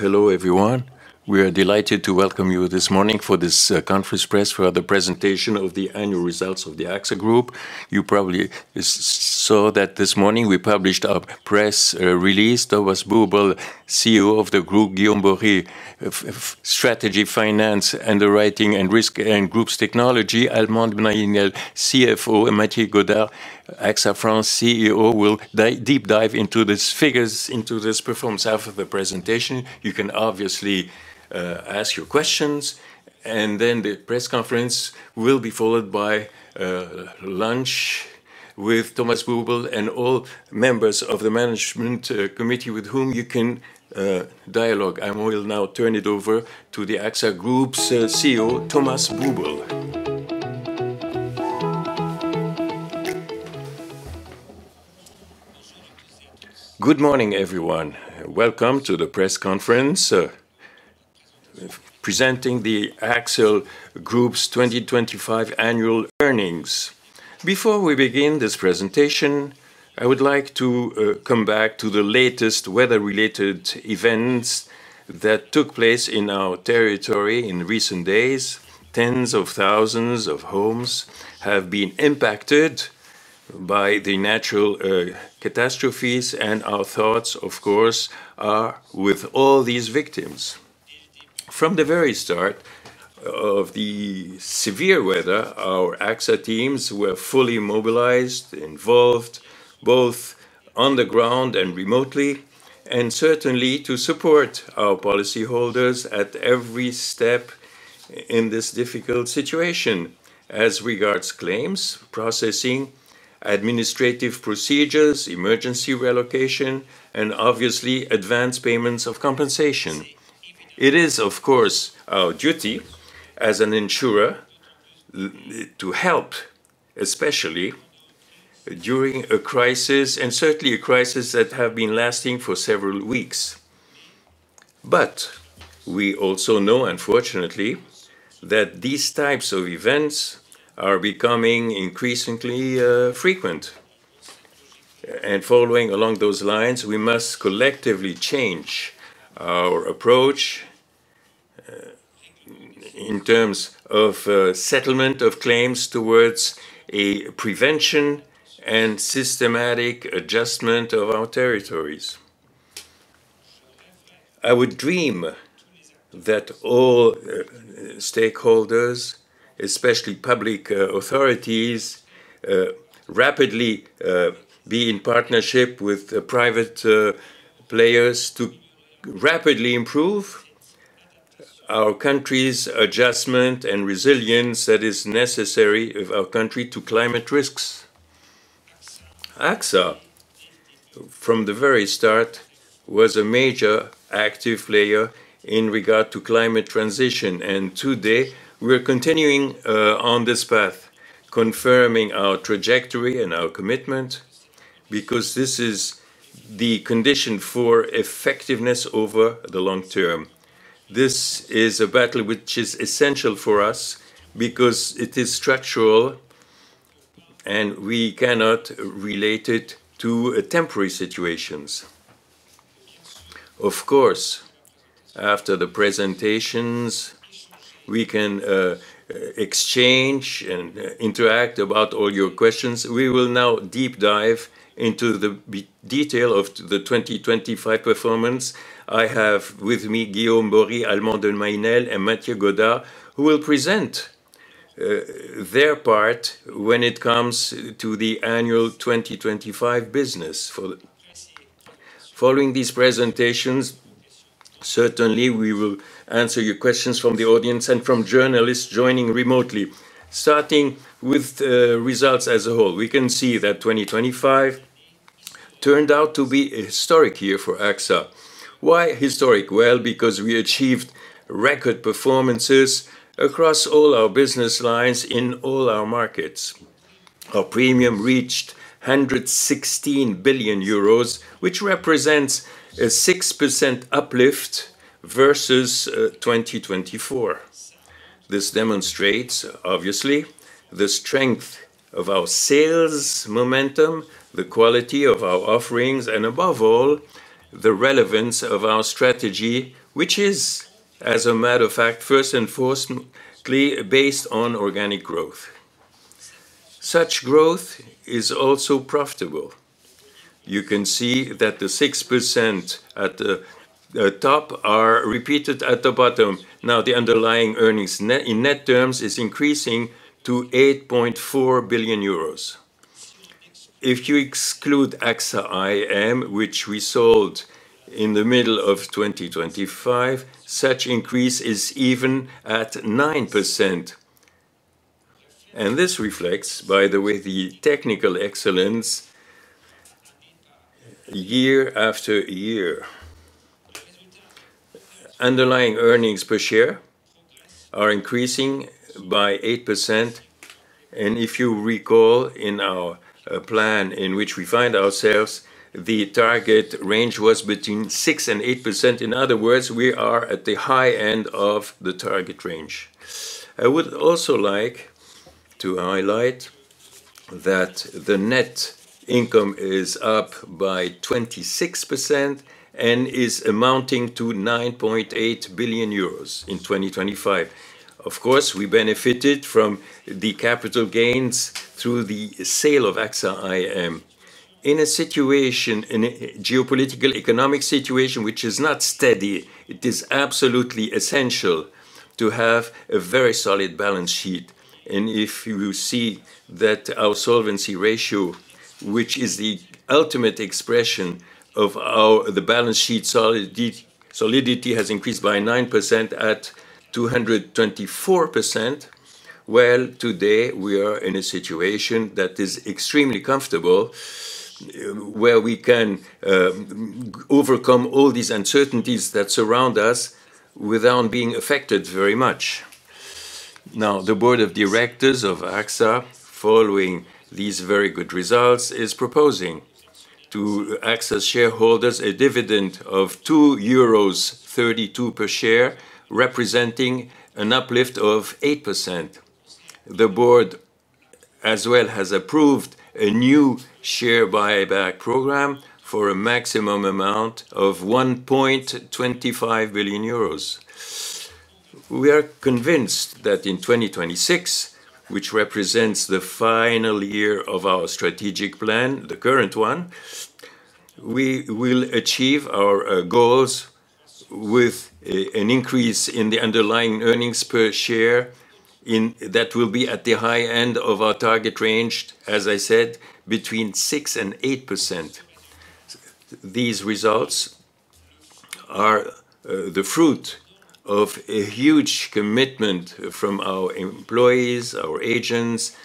Hello, everyone. We are delighted to welcome you this morning for this conference press for the presentation of the annual results of the AXA Group. You probably saw that this morning we published our press release. Thomas Buberl, CEO of the group, Guillaume Borie of Strategy, Finance, Underwriting and Risk and Groups Technology, Alban de Mailly Nesle, CFO, and Mathieu Godart, AXA France CEO, will deep dive into these figures, into this performance. After the presentation, you can obviously ask your questions, and then the press conference will be followed by lunch with Thomas Buberl and all members of the management committee with whom you can dialogue. I will now turn it over to the AXA Group's CEO, Thomas Buberl. Good morning, everyone. Welcome to the press conference presenting the AXA Group's 2025 annual earnings. Before we begin this presentation, I would like to come back to the latest weather-related events that took place in our territory in recent days. Tens of thousands of homes have been impacted by the natural catastrophes. Our thoughts, of course, are with all these victims. From the very start of the severe weather, our AXA teams were fully mobilized, involved, both on the ground and remotely, certainly to support our policyholders at every step in this difficult situation as regards claims, processing, administrative procedures, emergency relocation, and obviously, advanced payments of compensation. It is, of course, our duty as an insurer to help, especially during a crisis, certainly a crisis that have been lasting for several weeks. We also know, unfortunately, that these types of events are becoming increasingly frequent. Following along those lines, we must collectively change our approach in terms of settlement of claims towards a prevention and systematic adjustment of our territories. I would dream that all stakeholders, especially public authorities, rapidly be in partnership with private players to rapidly improve our country's adjustment and resilience that is necessary of our country to climate risks. AXA, from the very start, was a major active player in regard to climate transition, and today, we're continuing on this path, confirming our trajectory and our commitment, because this is the condition for effectiveness over the long term. This is a battle which is essential for us because it is structural, and we cannot relate it to temporary situations. Of course, after the presentations, we can exchange and interact about all your questions. We will now deep dive into the detail of the 2025 performance. I have with me Guillaume Borie, Alban de Mailly Nesle, and Mathieu Godart, who will present their part when it comes to the annual 2025 business. Following these presentations, certainly, we will answer your questions from the audience and from journalists joining remotely. Starting with the results as a whole, we can see that 2025 turned out to be a historic year for AXA. Why historic? Well, because we achieved record performances across all our business lines in all our markets. Our premium reached 116 billion euros, which represents a 6% uplift versus 2024. This demonstrates, obviously, the strength of our sales momentum, the quality of our offerings, and above all, the relevance of our strategy, which is, as a matter of fact, first and foremost, clearly based on organic growth. Such growth is also profitable. You can see that the 6% at the top are repeated at the bottom. Now, the underlying earnings net, in net terms, is increasing to 8.4 billion euros. If you exclude AXA IM, which we sold in the middle of 2025, such increase is even at 9%, and this reflects, by the way, the technical excellence year after year. Underlying earnings per share are increasing by 8%, and if you recall, in our plan in which we find ourselves, the target range was between 6% and 8%. In other words, we are at the high end of the target range. I would also like to highlight that the net income is up by 26% and is amounting to 9.8 billion euros in 2025. Of course, we benefited from the capital gains through the sale of AXA IM. In a situation, in a geopolitical economic situation which is not steady, it is absolutely essential to have a very solid balance sheet. If you see that our solvency ratio, which is the ultimate expression of our, the balance sheet solidity, has increased by 9% at 224%, well, today we are in a situation that is extremely comfortable, where we can overcome all these uncertainties that surround us without being affected very much. The board of directors of AXA, following these very good results, is proposing to AXA shareholders a dividend of 2.32 euros per share, representing an uplift of 8%. The board, as well, has approved a new share buyback program for a maximum amount of 1.25 billion euros. We are convinced that in 2026, which represents the final year of our strategic plan, the current one, we will achieve our goals with an increase in the underlying earnings per share. That will be at the high end of our target range, as I said, between 6% and 8%. These results are the fruit of a huge commitment from our employees, our agents,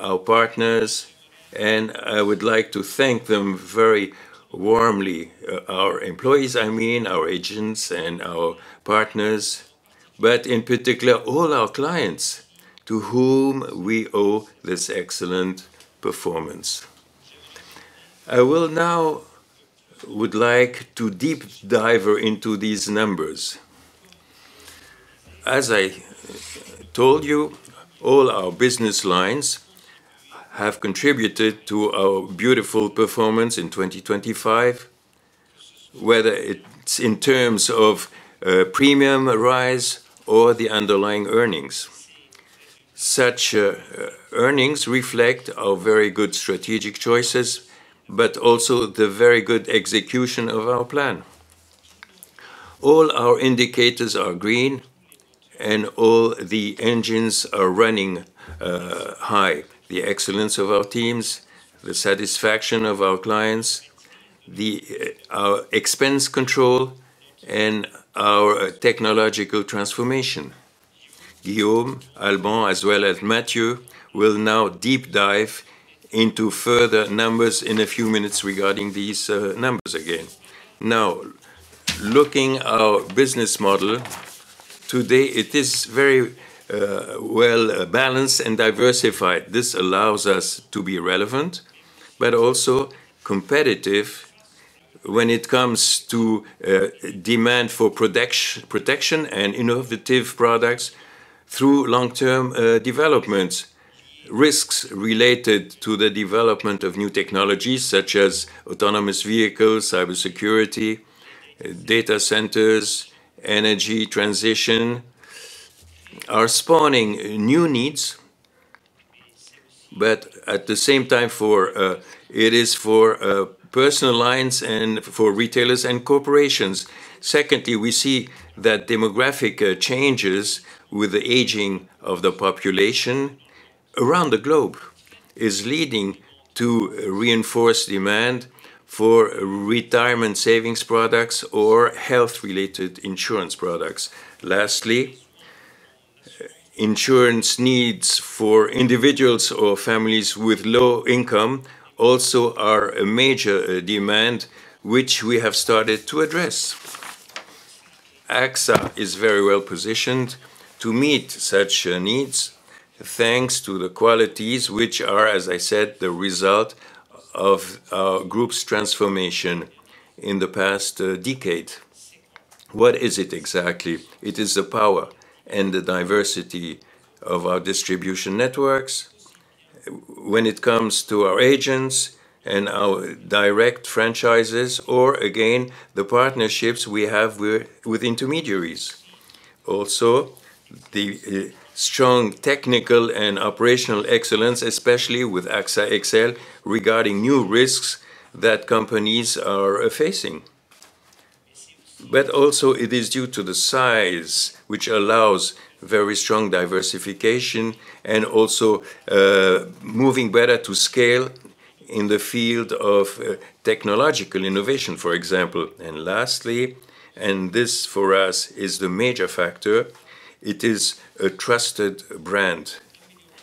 our partners, and I would like to thank them very warmly. Our employees, I mean, our agents and our partners, but in particular, all our clients, to whom we owe this excellent performance. I will now, would like to deep dive into these numbers. As I told you, all our business lines have contributed to our beautiful performance in 2025, whether it's in terms of premium rise or the underlying earnings. Such earnings reflect our very good strategic choices, but also the very good execution of our plan. All our indicators are green, and all the engines are running high. The excellence of our teams, the satisfaction of our clients, the our expense control, and our technological transformation. Guillaume, Alban, as well as Mathieu, will now deep dive into further numbers in a few minutes regarding these numbers again. Now, looking our business model, today, it is very well balanced and diversified. This allows us to be relevant, but also competitive when it comes to demand for protection and innovative products through long-term development. Risks related to the development of new technologies, such as autonomous vehicles, cybersecurity, data centers, energy transition, are spawning new needs, but at the same time, for, it is for personal lines and for retailers and corporations. Secondly, we see that demographic changes with the aging of the population around the globe is leading to reinforced demand for retirement savings products or health-related insurance products. Lastly, insurance needs for individuals or families with low income also are a major demand, which we have started to address. AXA is very well positioned to meet such needs, thanks to the qualities which are, as I said, the result of our group's transformation in the past decade. What is it exactly? It is the power and the diversity of our distribution networks when it comes to our agents and our direct franchises, or again, the partnerships we have with intermediaries. Also, the strong technical and operational excellence, especially with AXA XL, regarding new risks that companies are facing. Also, it is due to the size, which allows very strong diversification and also moving better to scale in the field of technological innovation, for example. Lastly, and this for us is the major factor, it is a trusted brand.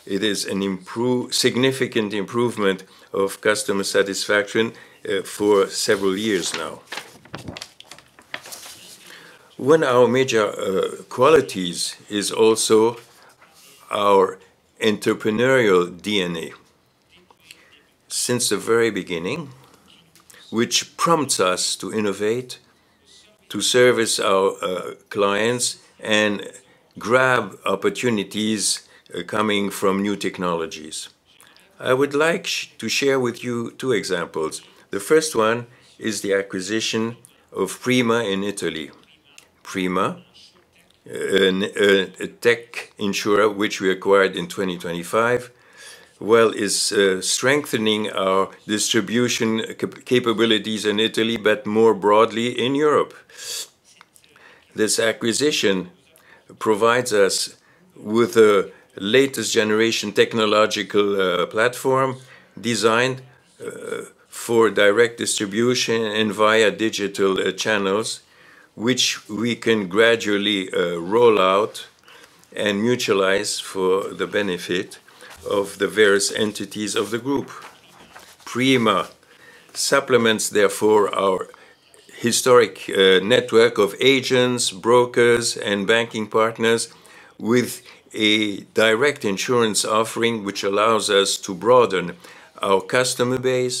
It is a significant improvement of customer satisfaction for several years now. One our major qualities is also our entrepreneurial DNA. Since the very beginning, which prompts us to innovate, to service our clients, and grab opportunities coming from new technologies. I would like to share with you two examples. The first one is the acquisition of Prima in Italy. Prima, a tech insurer, which we acquired in 2025, is strengthening our distribution capabilities in Italy. More broadly in Europe, this acquisition provides us with a latest generation technological platform designed for direct distribution and via digital channels, which we can gradually roll out and mutualize for the benefit of the various entities of the group. Prima supplements, therefore, our historic network of agents, brokers, and banking partners with a direct insurance offering, which allows us to broaden our customer base,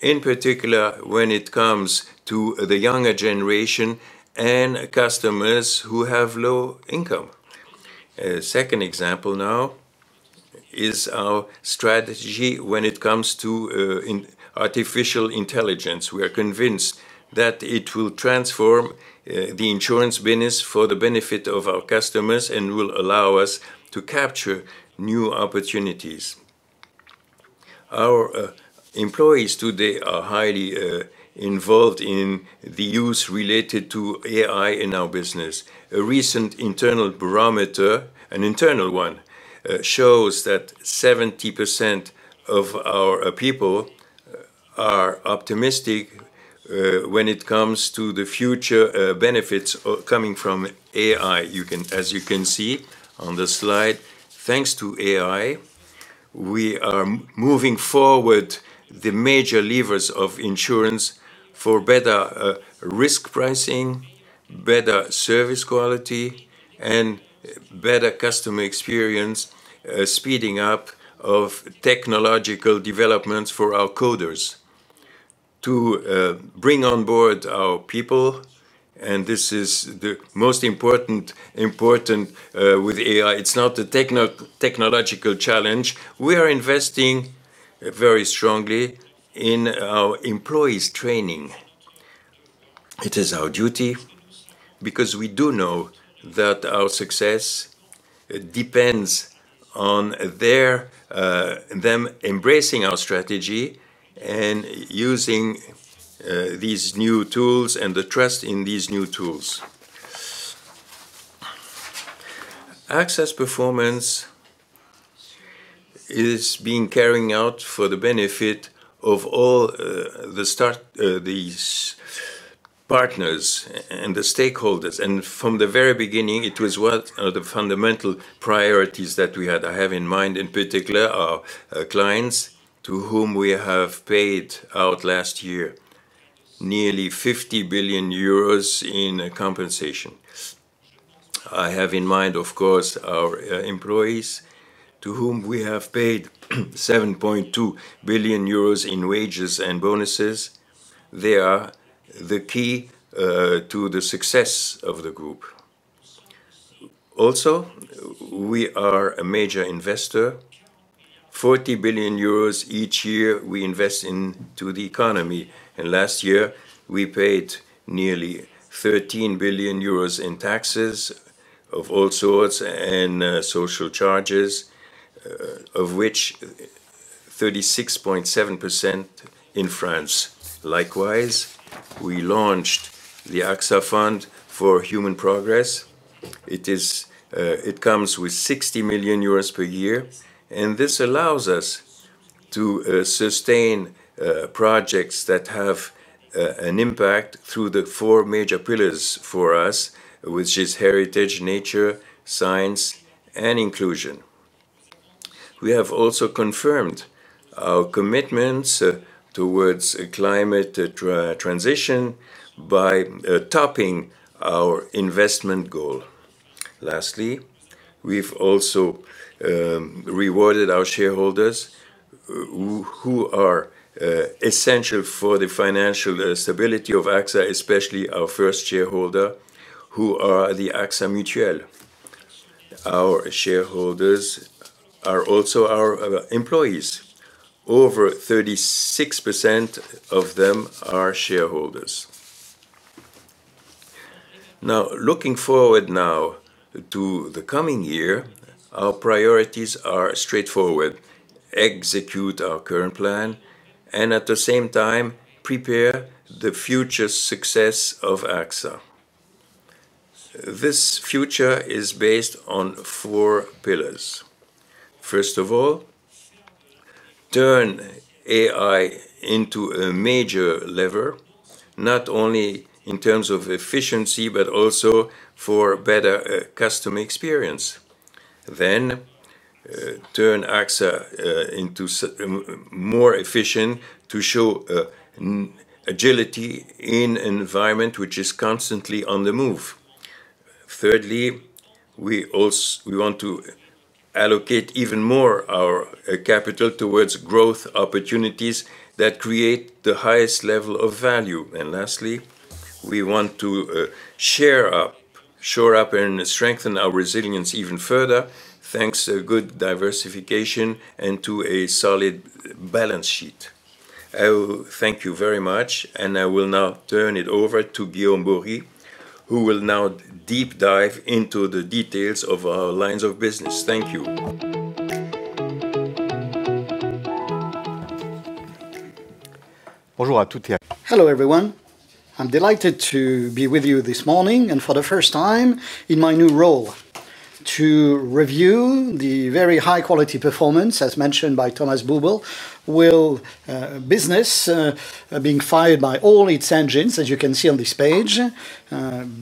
in particular, when it comes to the younger generation and customers who have low income. Second example now is our strategy when it comes to in artificial intelligence. We are convinced that it will transform, the insurance business for the benefit of our customers and will allow us to capture new opportunities. Our employees today are highly involved in the use related to AI in our business. A recent internal barometer, an internal one, shows that 70% of our people are optimistic when it comes to the future benefits coming from AI. As you can see on the slide, thanks to AI, we are moving forward the major levers of insurance for better risk pricing, better service quality, and better customer experience, speeding up of technological developments for our coders. To bring on board our people, and this is the most important, with AI, it's not the technological challenge. We are investing very strongly in our employees' training. It is our duty because we do know that our success depends on their them embracing our strategy and using these new tools and the trust in these new tools. AXA's performance is being carried out for the benefit of all these partners and the stakeholders, and from the very beginning, it was one of the fundamental priorities that we had. I have in mind, in particular, our clients, to whom we have paid out last year nearly 50 billion euros in compensation. I have in mind, of course, our employees, to whom we have paid 7.2 billion euros in wages and bonuses. They are the key to the success of the group. We are a major investor. 40 billion euros each year, we invest into the economy. Last year, we paid nearly 13 billion euros in taxes of all sorts and social charges, of which 36.7% in France. Likewise, we launched the AXA Fund for Human Progress. It comes with 60 million euros per year. This allows us to sustain projects that have an impact through the four major pillars for us, which is heritage, nature, science, and inclusion. We have also confirmed our commitments towards a climate transition by topping our investment goal. Lastly, we've also rewarded our shareholders, who are essential for the financial stability of AXA, especially our first shareholder, who are the Mutuelles AXA. Our shareholders are also our employees. Over 36% of them are shareholders. Now, looking forward now to the coming year, our priorities are straightforward: execute our current plan and, at the same time, prepare the future success of AXA. This future is based on four pillars. First of all, turn AI into a major lever, not only in terms of efficiency, but also for better customer experience. Turn AXA into more efficient to show agility in an environment which is constantly on the move. Thirdly, we also, we want to allocate even more our capital towards growth opportunities that create the highest level of value. Lastly, we want to shore up and strengthen our resilience even further, thanks to good diversification and to a solid balance sheet. I will thank you very much, and I will now turn it over to Guillaume Borie, who will now deep dive into the details of our lines of business. Thank you. Hello, everyone. I'm delighted to be with you this morning, and for the first time in my new role, to review the very high-quality performance, as mentioned by Thomas Buberl. Well, business being fired by all its engines, as you can see on this page.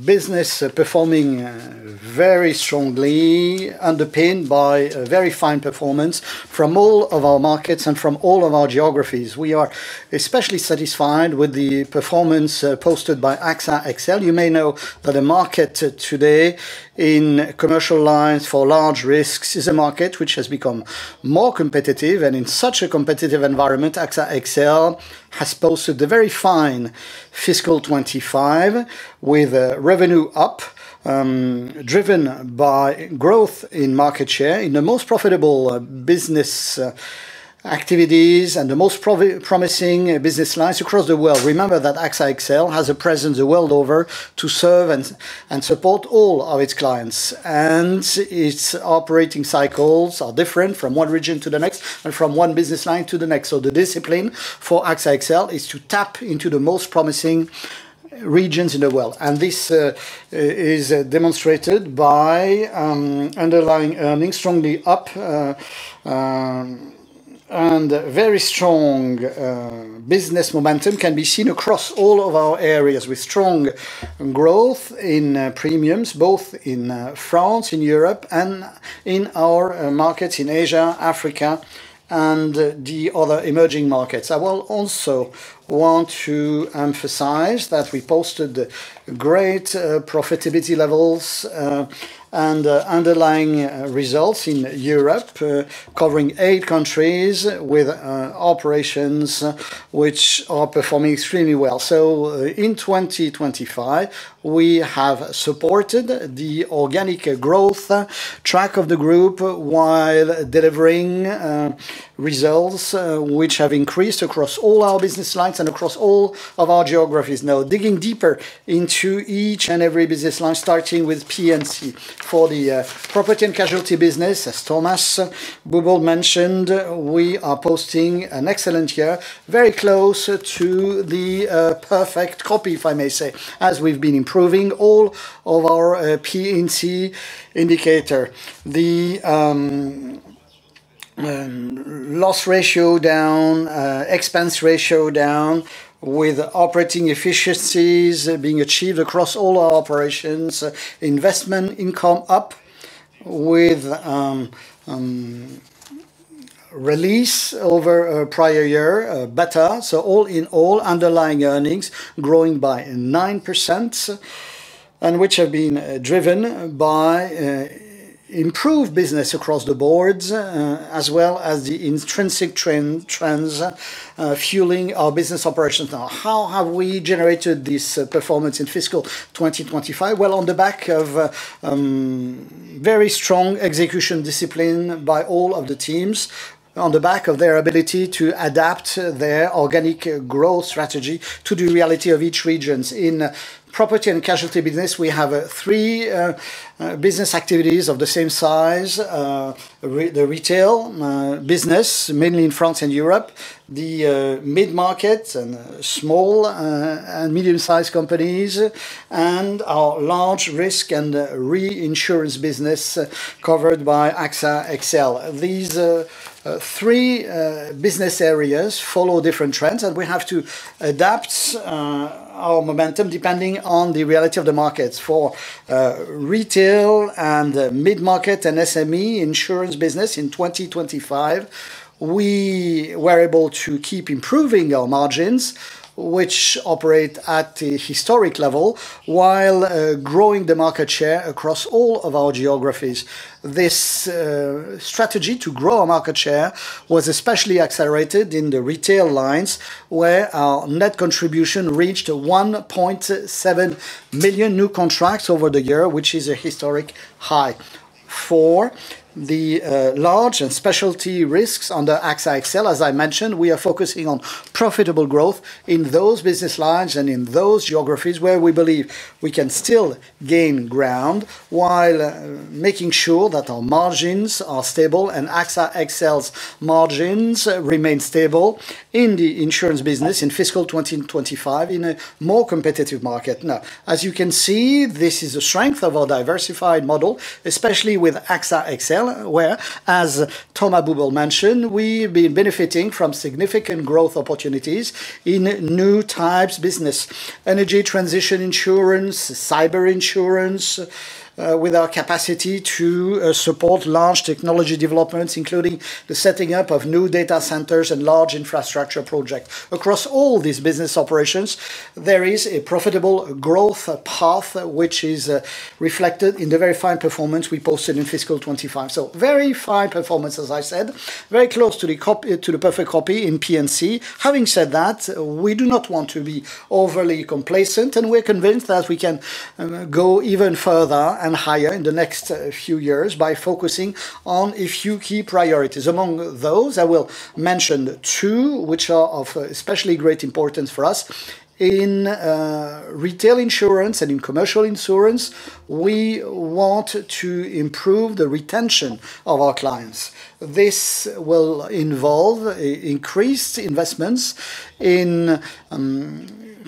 Business performing very strongly, underpinned by a very fine performance from all of our markets and from all of our geographies. We are especially satisfied with the performance posted by AXA XL. You may know that the market today in commercial lines for large risks is a market which has become more competitive. In such a competitive environment, AXA XL has posted a very fine fiscal 25, with revenue up, driven by growth in market share in the most profitable business activities and the most promising business lines across the world. Remember that AXA XL has a presence the world over to serve and support all of its clients, and its operating cycles are different from one region to the next and from one business line to the next. The discipline for AXA XL is to tap into the most promising regions in the world, and this is demonstrated by underlying earnings strongly up. Very strong business momentum can be seen across all of our areas, with strong growth in premiums, both in France, in Europe, and in our markets in Asia, Africa, and the other emerging markets. I will also want to emphasize that we posted great profitability levels, and underlying results in Europe, covering eight countries with operations which are performing extremely well. In 2025, we have supported the organic growth track of the group, while delivering results which have increased across all our business lines and across all of our geographies. Digging deeper into each and every business line, starting with P&C. For the property and casualty business, as Thomas Buberl mentioned, we are posting an excellent year, very close to the perfect copy, if I may say, as we've been improving all of our P&C indicator. The loss ratio down, expense ratio down, with operating efficiencies being achieved across all our operations. Investment income up with release over a prior year better. All in all, underlying earnings growing by 9%, which have been driven by improved business across the boards, as well as the intrinsic trends fueling our business operations. How have we generated this performance in fiscal 2025? On the back of very strong execution discipline by all of the teams, on the back of their ability to adapt their organic growth strategy to the reality of each regions. In property and casualty business, we have 3 business activities of the same size. The retail business, mainly in France and Europe, the mid-market and small and medium-sized companies, and our large risk and reinsurance business covered by AXA XL. These three business areas follow different trends. We have to adapt our momentum depending on the reality of the markets. For retail and mid-market and SME insurance business in 2025, we were able to keep improving our margins, which operate at a historic level, while growing the market share across all of our geographies. This strategy to grow our market share was especially accelerated in the retail lines, where our net contribution reached 1.7 million new contracts over the year, which is a historic high. For the large and specialty risks under AXA XL, as I mentioned, we are focusing on profitable growth in those business lines and in those geographies where we believe we can still gain ground, while making sure that our margins are stable and AXA XL's margins remain stable in the insurance business in fiscal 2025, in a more competitive market. As you can see, this is a strength of our diversified model, especially with AXA XL, where, as Thomas Buberl mentioned, we've been benefiting from significant growth opportunities in new types business: energy transition insurance, cyber insurance, with our capacity to support large technology developments, including the setting up of new data centers and large infrastructure projects. Across all these business operations, there is a profitable growth path, which is reflected in the very fine performance we posted in fiscal 25. Very fine performance, as I said, very close to the perfect copy in P&C. Having said that, we do not want to be overly complacent, and we're convinced that we can go even further and higher in the next few years by focusing on a few key priorities. Among those, I will mention two which are of especially great importance for us. In retail insurance and in commercial insurance, we want to improve the retention of our clients. This will involve increased investments in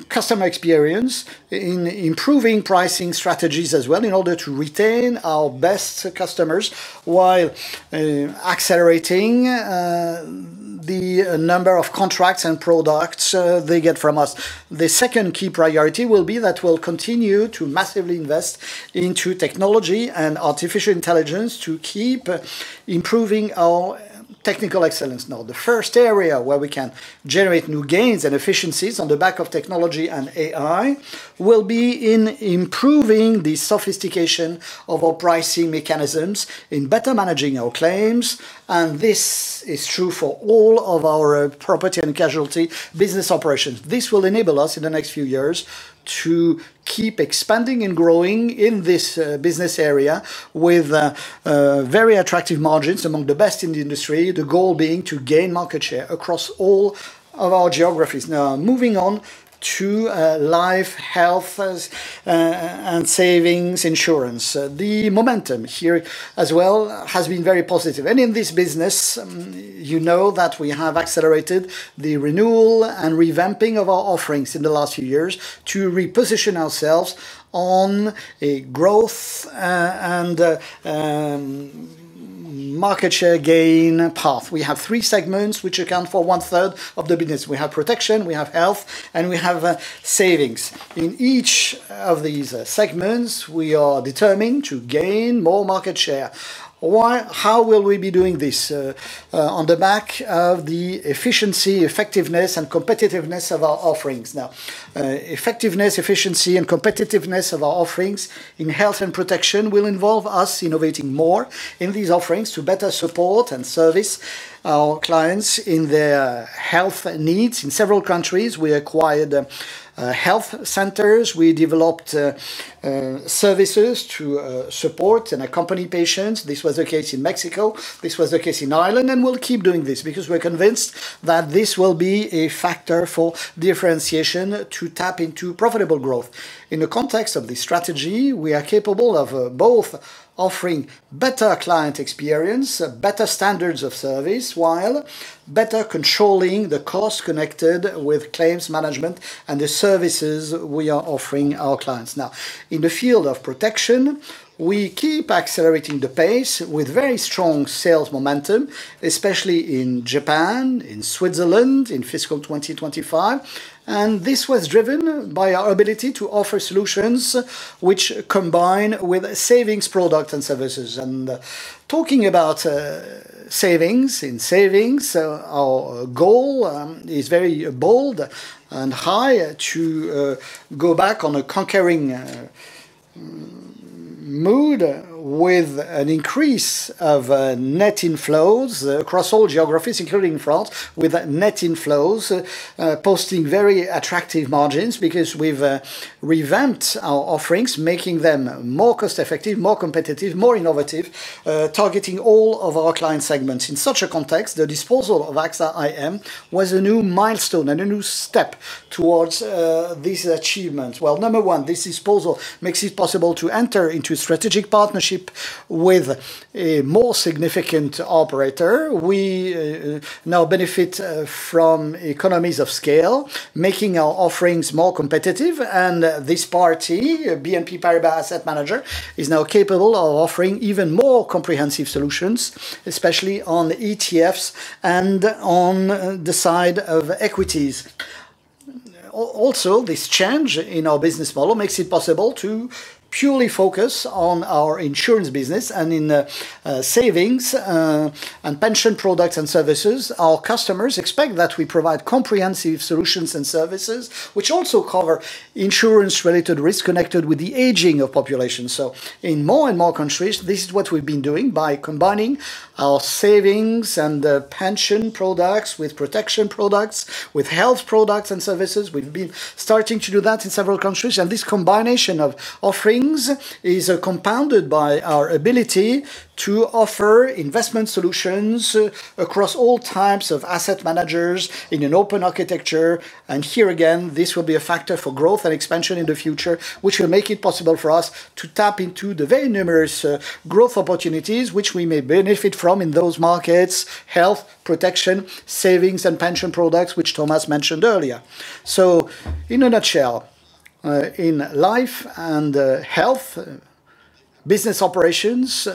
customer experience, in improving pricing strategies as well, in order to retain our best customers, while accelerating the number of contracts and products they get from us. The second key priority will be that we'll continue to massively invest into technology and artificial intelligence to keep improving our technical excellence. The first area where we can generate new gains and efficiencies on the back of technology and AI, will be in improving the sophistication of our pricing mechanisms, in better managing our claims, and this is true for all of our property and casualty business operations. This will enable us, in the next few years, to keep expanding and growing in this business area with very attractive margins, among the best in the industry. The goal being to gain market share across all of our geographies. Moving on to life, health, and savings insurance. The momentum here as well, has been very positive. In this business, you know that we have accelerated the renewal and revamping of our offerings in the last few years to reposition ourselves on a growth and market share gain path. We have three segments, which account for 1/3 of the business. We have protection, we have health, and we have savings. In each of these segments, we are determined to gain more market share. How will we be doing this? On the back of the efficiency, effectiveness, and competitiveness of our offerings. Now, effectiveness, efficiency, and competitiveness of our offerings in health and protection will involve us innovating more in these offerings to better support and service our clients in their health needs. In several countries, we acquired health centers. We developed services to support and accompany patients. This was the case in Mexico, this was the case in Ireland, and we'll keep doing this because we're convinced that this will be a factor for differentiation to tap into profitable growth. In the context of this strategy, we are capable of both offering better client experience, better standards of service, while better controlling the costs connected with claims management and the services we are offering our clients. In the field of protection, we keep accelerating the pace with very strong sales momentum, especially in Japan, in Switzerland, in fiscal 2025, this was driven by our ability to offer solutions which combine with savings products and services. Talking about savings, in savings, our goal is very bold and high to go back on a conquering mood, with an increase of net inflows across all geographies, including France, with net inflows posting very attractive margins because we've revamped our offerings, making them more cost-effective, more competitive, more innovative, targeting all of our client segments. In such a context, the disposal of AXA IM was a new milestone and a new step towards these achievements. Number one, this disposal makes it possible to enter into a strategic partnership with a more significant operator. We now benefit from economies of scale, making our offerings more competitive, and this party, BNP Paribas Asset Management, is now capable of offering even more comprehensive solutions, especially on ETFs and on the side of equities. This change in our business model makes it possible to purely focus on our insurance business and in savings and pension products and services. Our customers expect that we provide comprehensive solutions and services, which also cover insurance-related risk connected with the aging of population. In more and more countries, this is what we've been doing by combining our savings and pension products with protection products, with health products and services. We've been starting to do that in several countries, and this combination of offerings is compounded by our ability to offer investment solutions across all types of asset managers in an open architecture. Here again, this will be a factor for growth and expansion in the future, which will make it possible for us to tap into the very numerous growth opportunities which we may benefit from in those markets: health, protection, savings, and pension products, which Thomas mentioned earlier. In a nutshell, in life and health business operations,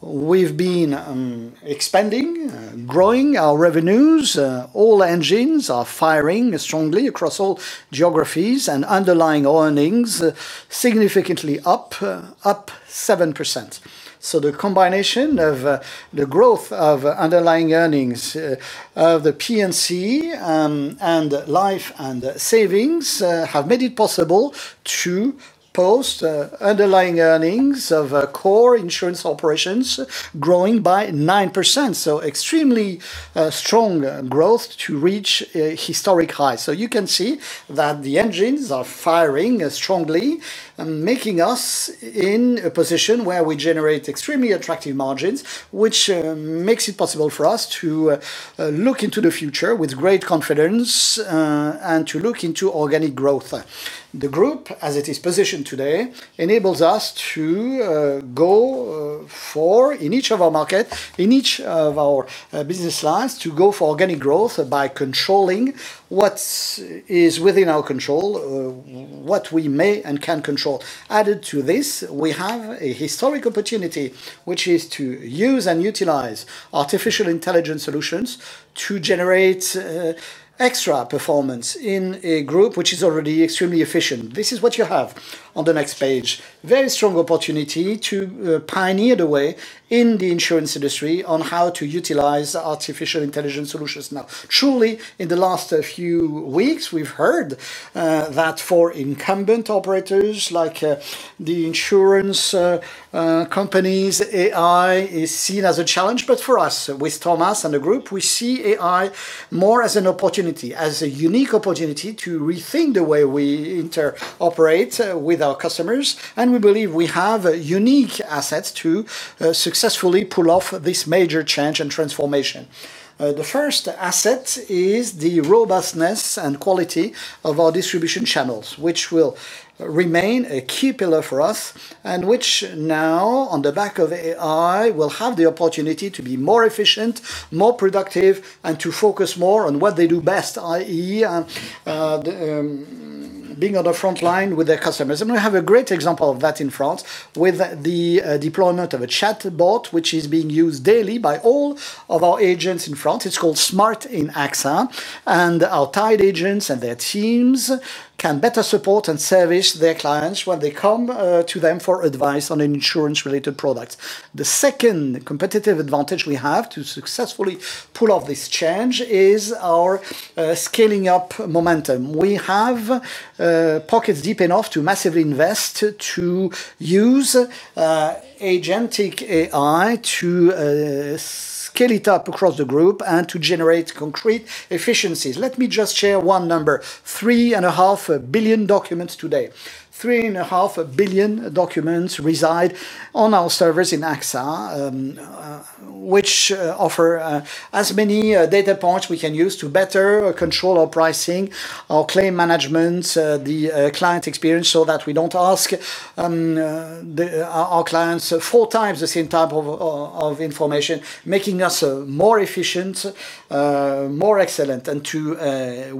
we've been expanding, growing our revenues. All engines are firing strongly across all geographies, and underlying earnings significantly up 7%. The combination of the growth of underlying earnings of the P&C and Life and Savings have made it possible to post underlying earnings of core insurance operations growing by 9%. Extremely strong growth to reach a historic high. You can see that the engines are firing strongly, making us in a position where we generate extremely attractive margins, which makes it possible for us to look into the future with great confidence and to look into organic growth. The group, as it is positioned today, enables us to go for in each of our market, in each of our business lines, to go for organic growth by controlling what's is within our control, what we may and can control. Added to this, we have a historic opportunity, which is to use and utilize artificial intelligence solutions to generate extra performance in a group which is already extremely efficient. This is what you have on the next page. Very strong opportunity to pioneer the way in the insurance industry on how to utilize artificial intelligence solutions. Truly, in the last few weeks, we've heard that for incumbent operators like the insurance companies, AI is seen as a challenge, but for us, with Thomas and the group, we see AI more as an opportunity, as a unique opportunity to rethink the way we interoperate with our customers. We believe we have unique assets to successfully pull off this major change and transformation. The first asset is the robustness and quality of our distribution channels, which will remain a key pillar for us, and which now, on the back of AI, will have the opportunity to be more efficient, more productive, and to focus more on what they do best, i.e., being on the front line with their customers. We have a great example of that in France, with the deployment of a chatbot, which is being used daily by all of our agents in France. It's called SmartInAXA, and our tied agents and their teams can better support and service their clients when they come to them for advice on insurance-related products. The second competitive advantage we have to successfully pull off this change is our scaling up momentum. We have pockets deep enough to massively invest to use agentic AI to scale it up across the group and to generate concrete efficiencies. Let me just share one number, 3.5 billion documents today. 3.5 billion documents reside on our servers in AXA, which offer as many data points we can use to better control our pricing, our claim management, the client experience, so that we don't ask our clients four times the same type of information, making us more efficient, more excellent. To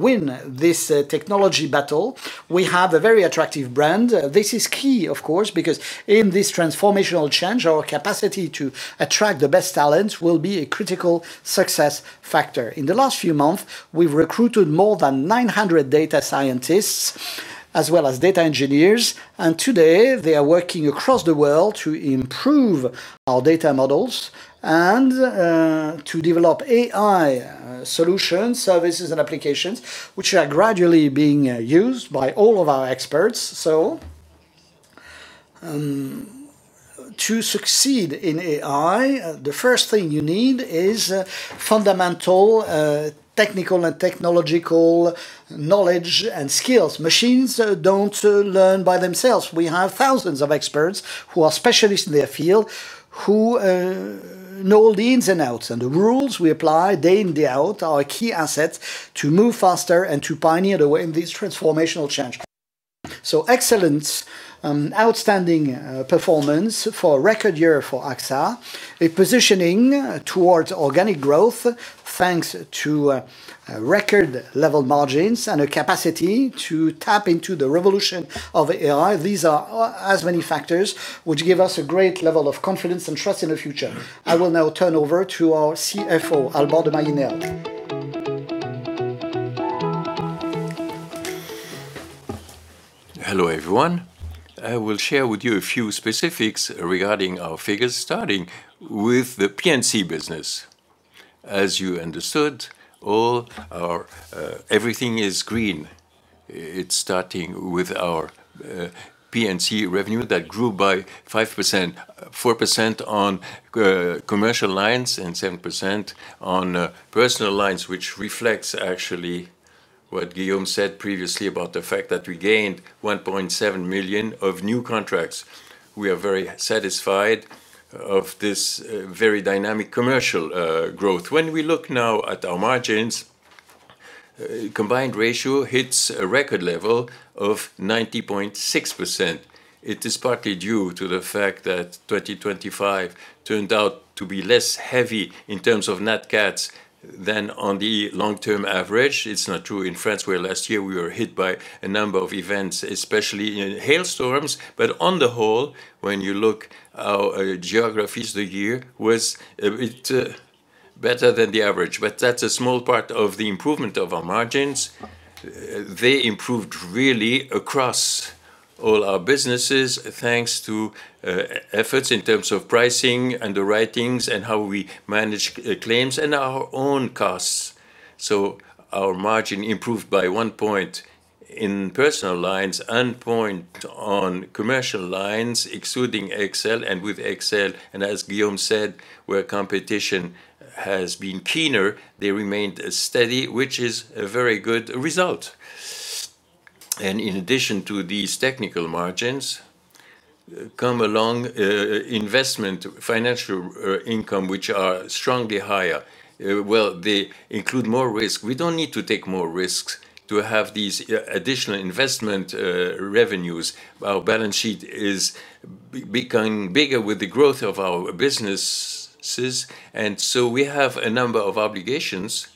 win this technology battle, we have a very attractive brand. This is key, of course, because in this transformational change, our capacity to attract the best talents will be a critical success factor. In the last few months, we've recruited more than 900 data scientists, as well as data engineers. Today they are working across the world to improve our data models and to develop AI solutions, services, and applications, which are gradually being used by all of our experts. To succeed in AI, the first thing you need is fundamental technical and technological knowledge and skills. Machines don't learn by themselves. We have thousands of experts who are specialists in their field, who know all the ins and outs. The rules we apply day in, day out, are a key asset to move faster and to pioneer the way in this transformational change. Excellence, outstanding performance for a record year for AXA, a positioning towards organic growth, thanks to record-level margins and a capacity to tap into the revolution of AI. These are as many factors which give us a great level of confidence and trust in the future. I will now turn over to our CFO, Alban de Mailly Nesle. Hello, everyone. I will share with you a few specifics regarding our figures, starting with the P&C business. As you understood, everything is green. It's starting with our P&C revenue that grew by 5%, 4% on commercial lines and 7% on personal lines, which reflects actually what Guillaume said previously about the fact that we gained 1.7 million of new contracts. We are very satisfied of this very dynamic commercial growth. When we look now at our margins, combined ratio hits a record level of 90.6%. It is partly due to the fact that 2025 turned out to be less heavy in terms of net cats than on the long-term average. It's not true in France, where last year we were hit by a number of events, especially in hailstorms. On the whole, when you look our geographies, the year was better than the average, but that's a small part of the improvement of our margins. They improved really across all our businesses, thanks to efforts in terms of pricing, underwriting, and how we manage claims and our own costs. Our margin improved by one point in personal lines and point on commercial lines, excluding XL and with XL, and as Guillaume said, where competition has been keener, they remained steady, which is a very good result. In addition to these technical margins, come along investment, financial income, which are strongly higher. Well, they include more risk. We don't need to take more risks to have these additional investment revenues. Our balance sheet is becoming bigger with the growth of our businesses, we have a number of obligations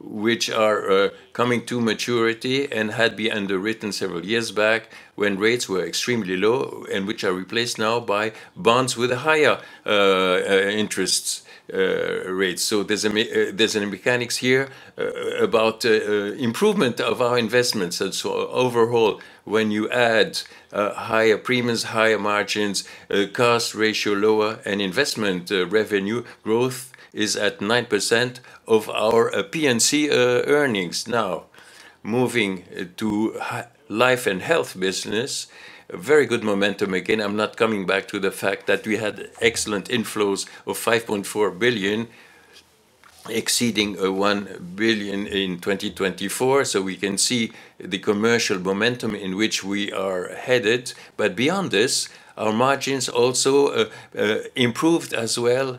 which are coming to maturity and had been underwritten several years back when rates were extremely low, and which are replaced now by bonds with higher interest rates. there's an mechanics here about improvement of our investments. overall, when you add higher premiums, higher margins, cost ratio lower, and investment revenue, growth is at 9% of our P&C earnings. Now, moving to life and health business, a very good momentum again. I'm not coming back to the fact that we had excellent inflows of 5.4 billion, exceeding 1 billion in 2024. we can see the commercial momentum in which we are headed. Beyond this, our margins also improved as well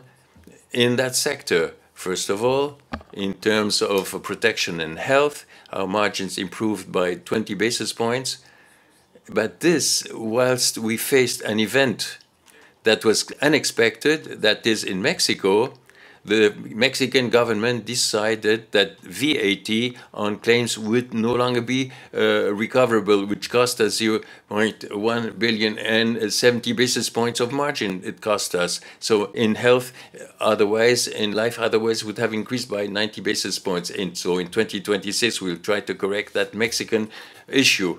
in that sector. First of all, in terms of protection and health, our margins improved by 20 basis points. This, whilst we faced an event that was unexpected, that is in Mexico, the Mexican government decided that VAT on claims would no longer be recoverable, which cost us 1 billion and 70 basis points of margin. In health, otherwise in life, otherwise, would have increased by 90 basis points. In 2026, we'll try to correct that Mexican issue.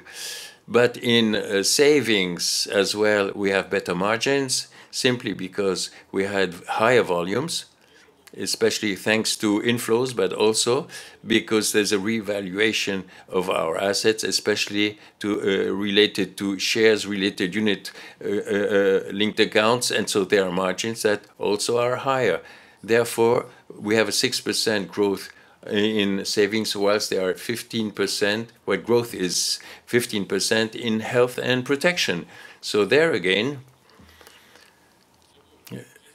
In savings as well, we have better margins simply because we had higher volumes, especially thanks to inflows, but also because there's a revaluation of our assets, especially related to shares, related unit-linked accounts. There are margins that also are higher. Therefore, we have a 6% growth in savings, whilst they are at 15% where growth is 15% in health and protection. There again,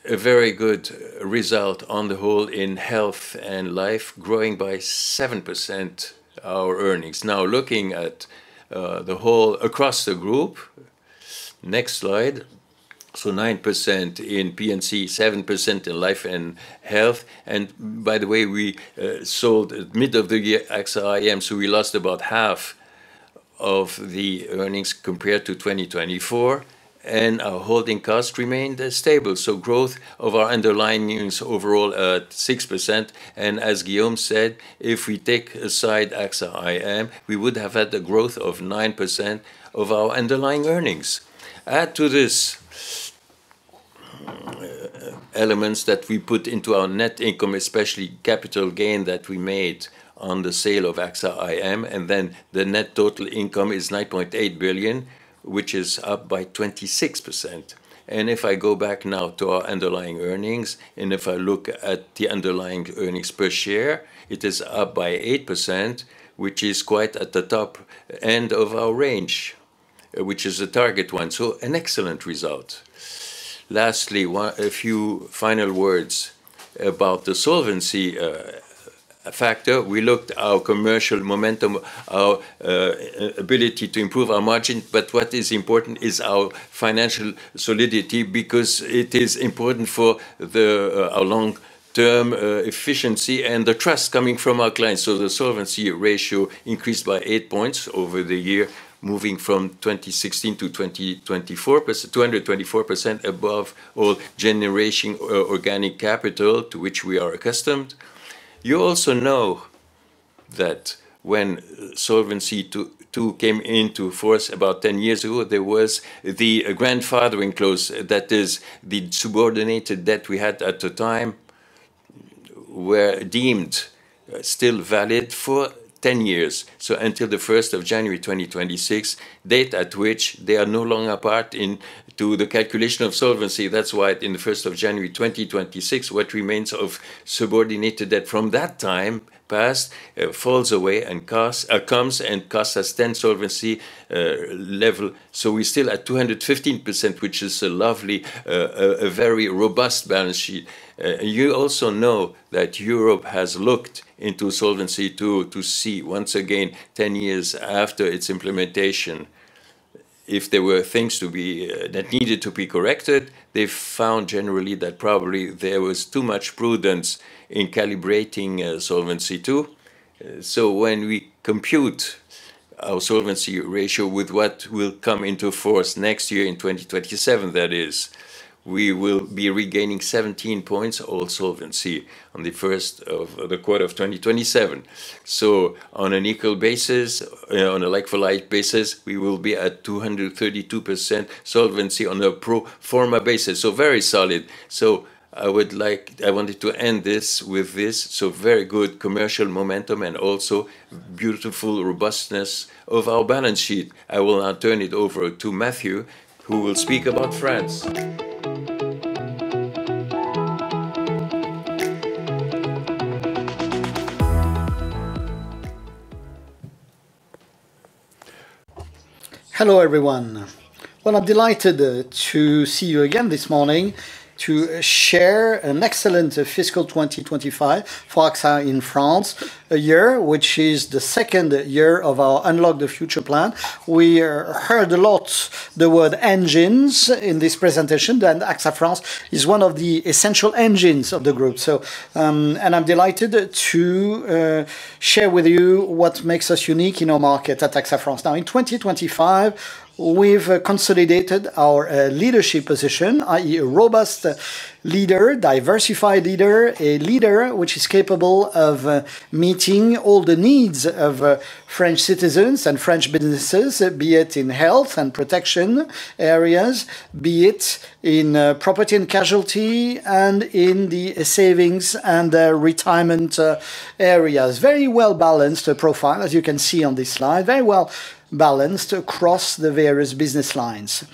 a very good result on the whole in health and life, growing by 7% our earnings. Now, looking at the whole across the group. Next slide. Nine percent in P&C, 7% in life and health, and by the way, we sold mid of the year, AXA IM, so we lost about half of the earnings compared to 2024, and our holding cost remained stable. Growth of our underlying earnings overall at 6%, and as Guillaume said, "If we take aside AXA IM, we would have had a growth of 9% of our underlying earnings." Add to this, elements that we put into our net income, especially capital gain that we made on the sale of AXA IM, and then the net total income is 9.8 billion, which is up by 26%. If I go back now to our underlying earnings, and if I look at the underlying earnings per share, it is up by 8%, which is quite at the top end of our range, which is a target one. An excellent result. Lastly, a few final words about the solvency factor. We looked our commercial momentum, our ability to improve our margin. What is important is our financial solidity, because it is important for our long-term efficiency and the trust coming from our clients. The solvency ratio increased by 8 points over the year, moving from 2016 to 2024, 224% above all generation organic capital, to which we are accustomed. You also know that when Solvency II came into force about 10 years ago, there was the grandfathering clause, that is the subordinated debt we had at the time, were deemed still valid for 10 years, so until the 1st of January 2026, date at which they are no longer part in to the calculation of solvency. That's why in the 1st of January 2026, what remains of subordinated debt from that time past, falls away and comes and costs us 10 solvency level. We're still at 215%, which is a lovely, a very robust balance sheet. You also know that Europe has looked into Solvency II to see once again, 10 years after its implementation, if there were things to be that needed to be corrected. They've found generally that probably there was too much prudence in calibrating Solvency II. When we compute our solvency ratio with what will come into force next year in 2027, that is. We will be regaining 17 points of solvency on the first of the quarter of 2027. On an equal basis, on a like-for-like basis, we will be at 232% solvency on a pro forma basis, very solid. I wanted to end this with this. Very good commercial momentum and also beautiful robustness of our balance sheet. I will now turn it over to Mathieu, who will speak about France. Hello, everyone. Well, I'm delighted to see you again this morning to share an excellent fiscal 2025 for AXA in France, a year which is the second year of our Unlock the Future plan. We heard a lot the word "engines" in this presentation, AXA France is one of the essential engines of the group. I'm delighted to share with you what makes us unique in our market at AXA France. In 2025, we've consolidated our leadership position, i.e., a robust leader, diversified leader, a leader which is capable of meeting all the needs of French citizens and French businesses, be it in health and protection areas, be it in property and casualty, in the savings and retirement areas. Very well-balanced profile, as you can see on this slide. Very well-balanced across the various business lines.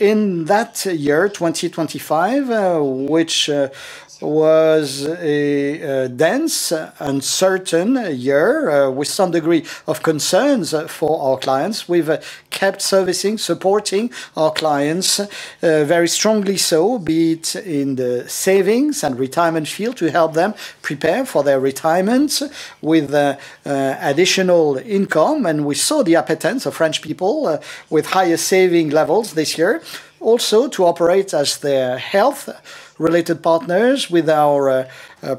In that year, 2025, which was a dense, uncertain year, with some degree of concerns for our clients, we've kept servicing, supporting our clients very strongly so, be it in the savings and retirement field, to help them prepare for their retirement with additional income. We saw the appetite of French people with higher saving levels this year. Also, to operate as their health-related partners with our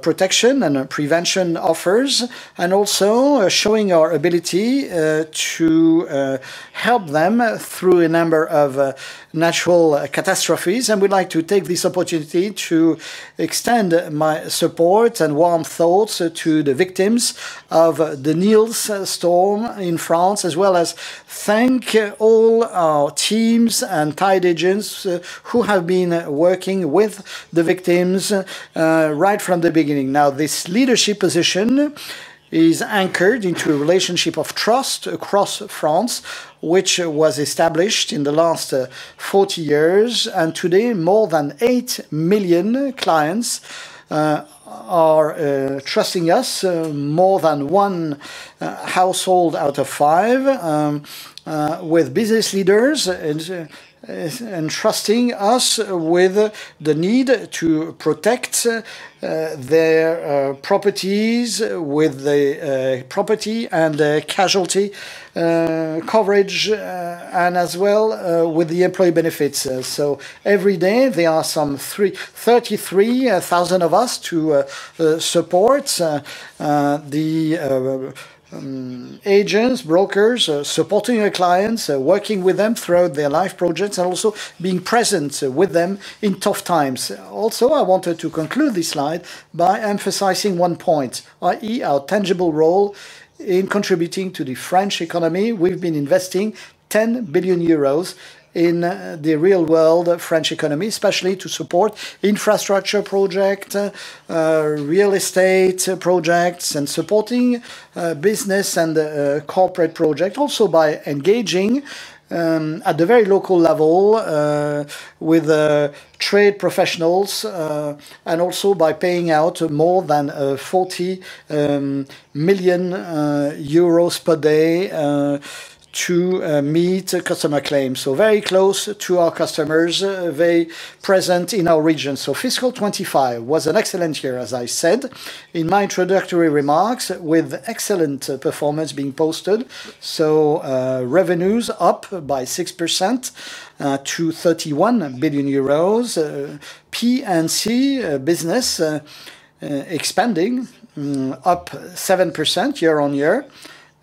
protection and prevention offers, and also showing our ability to help them through a number of natural catastrophes. We'd like to take this opportunity to extend my support and warm thoughts to the victims of Storm Nils in France, as well as thank all our teams and tied agents who have been working with the victims right from the beginning. This leadership position is anchored into a relationship of trust across France, which was established in the last 40 years, and today, more than 8 million clients are trusting us, more than one household out of five, with business leaders, and trusting us with the need to protect their properties with the property and casualty coverage, and as well, with the employee benefits. Every day there are some 33,000 of us to support the agents, brokers, supporting our clients, working with them throughout their life projects, and also being present with them in tough times. Also, I wanted to conclude this slide by emphasizing one point, i.e., our tangible role in contributing to the French economy. We've been investing 10 billion euros in the real world French economy, especially to support infrastructure project, real estate projects, and supporting business and corporate project. Also, by engaging at the very local level with trade professionals, and also by paying out more than 40 million euros per day to meet customer claims. So very close to our customers, very present in our region. Fiscal 2025 was an excellent year, as I said in my introductory remarks, with excellent performance being posted. Revenues up by 6%, to 31 billion euros. P&C business expanding, up 7% year-on-year,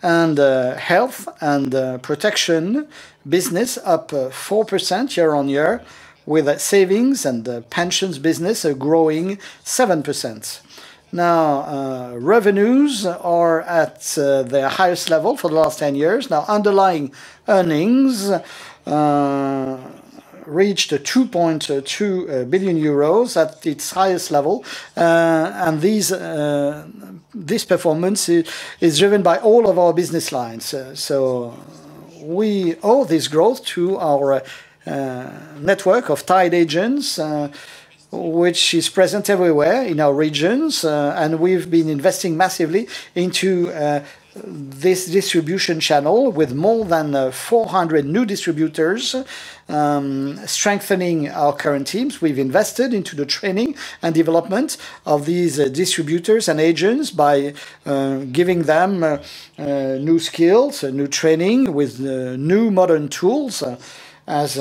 and health and protection business up 4% year-on-year, with our savings and pensions business growing 7%. Revenues are at their highest level for the last 10 years. Underlying earnings reached 2.2 billion euros at its highest level, and this performance is driven by all of our business lines. We owe this growth to our network of tied agents, which is present everywhere in our regions, and we've been investing massively into this distribution channel with more than 400 new distributors, strengthening our current teams. We've invested into the training and development of these distributors and agents by giving them new skills and new training with new modern tools, as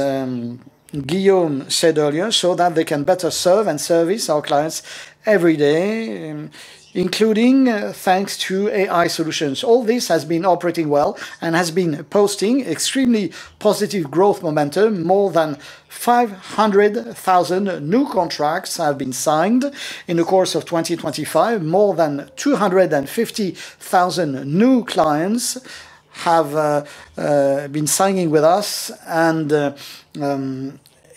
Guillaume said earlier, so that they can better serve and service our clients every day, including thanks to AI solutions. All this has been operating well and has been posting extremely positive growth momentum. More than 500,000 new contracts have been signed in the course of 2025. More than 250,000 new clients have been signing with us, and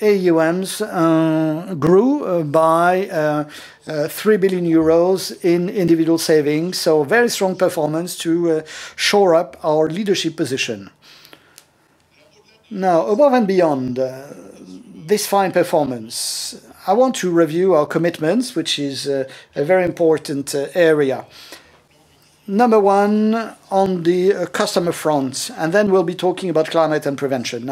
AUMs grew by 3 billion euros in individual savings. Very strong performance to shore up our leadership position. Above and beyond this fine performance, I want to review our commitments, which is a very important area. Number one, on the customer front. We'll be talking about climate and prevention.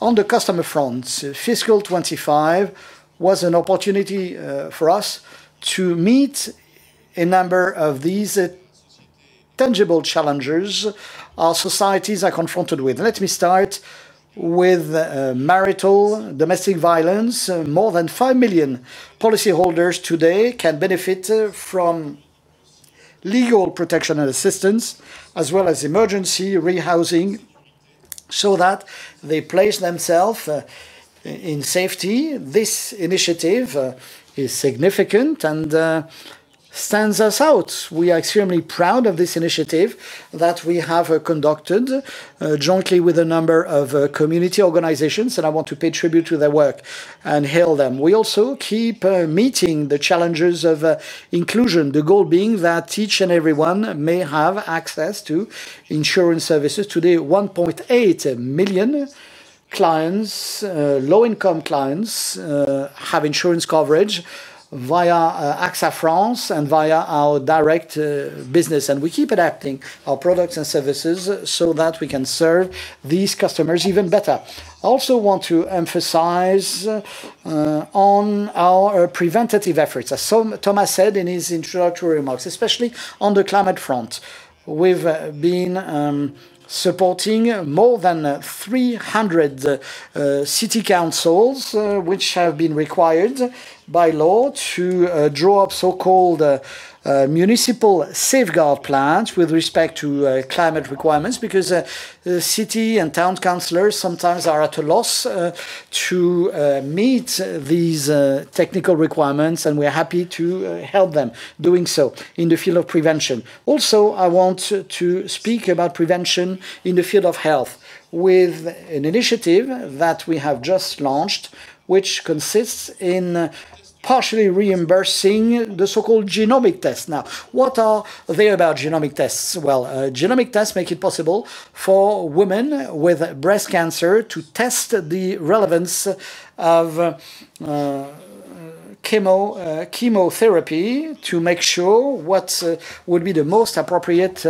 On the customer front, fiscal 2025 was an opportunity for us to meet a number of these tangible challenges our societies are confronted with. Let me start with marital, domestic violence. More than 5 million policyholders today can benefit from legal protection and assistance, as well as emergency rehousing, so that they place themself in safety. This initiative is significant and stands us out. We are extremely proud of this initiative that we have conducted jointly with a number of community organizations, and I want to pay tribute to their work and hail them. We also keep meeting the challenges of inclusion, the goal being that each and everyone may have access to insurance services. Today, 1.8 million clients, low-income clients, have insurance coverage via AXA France and via our direct business, and we keep adapting our products and services so that we can serve these customers even better. I also want to emphasize on our preventative efforts, as Thomas said in his introductory remarks, especially on the climate front. We've been supporting more than 300 city councils which have been required by law to draw up so-called municipal safeguard plans with respect to climate requirements, because city and town councilors sometimes are at a loss to meet these technical requirements, and we're happy to help them doing so in the field of prevention. Also, I want to speak about prevention in the field of health, with an initiative that we have just launched, which consists in partially reimbursing the so-called genomic test. Now, what are they about, genomic tests? Well, genomic tests make it possible for women with breast cancer to test the relevance of chemotherapy, to make sure what would be the most appropriate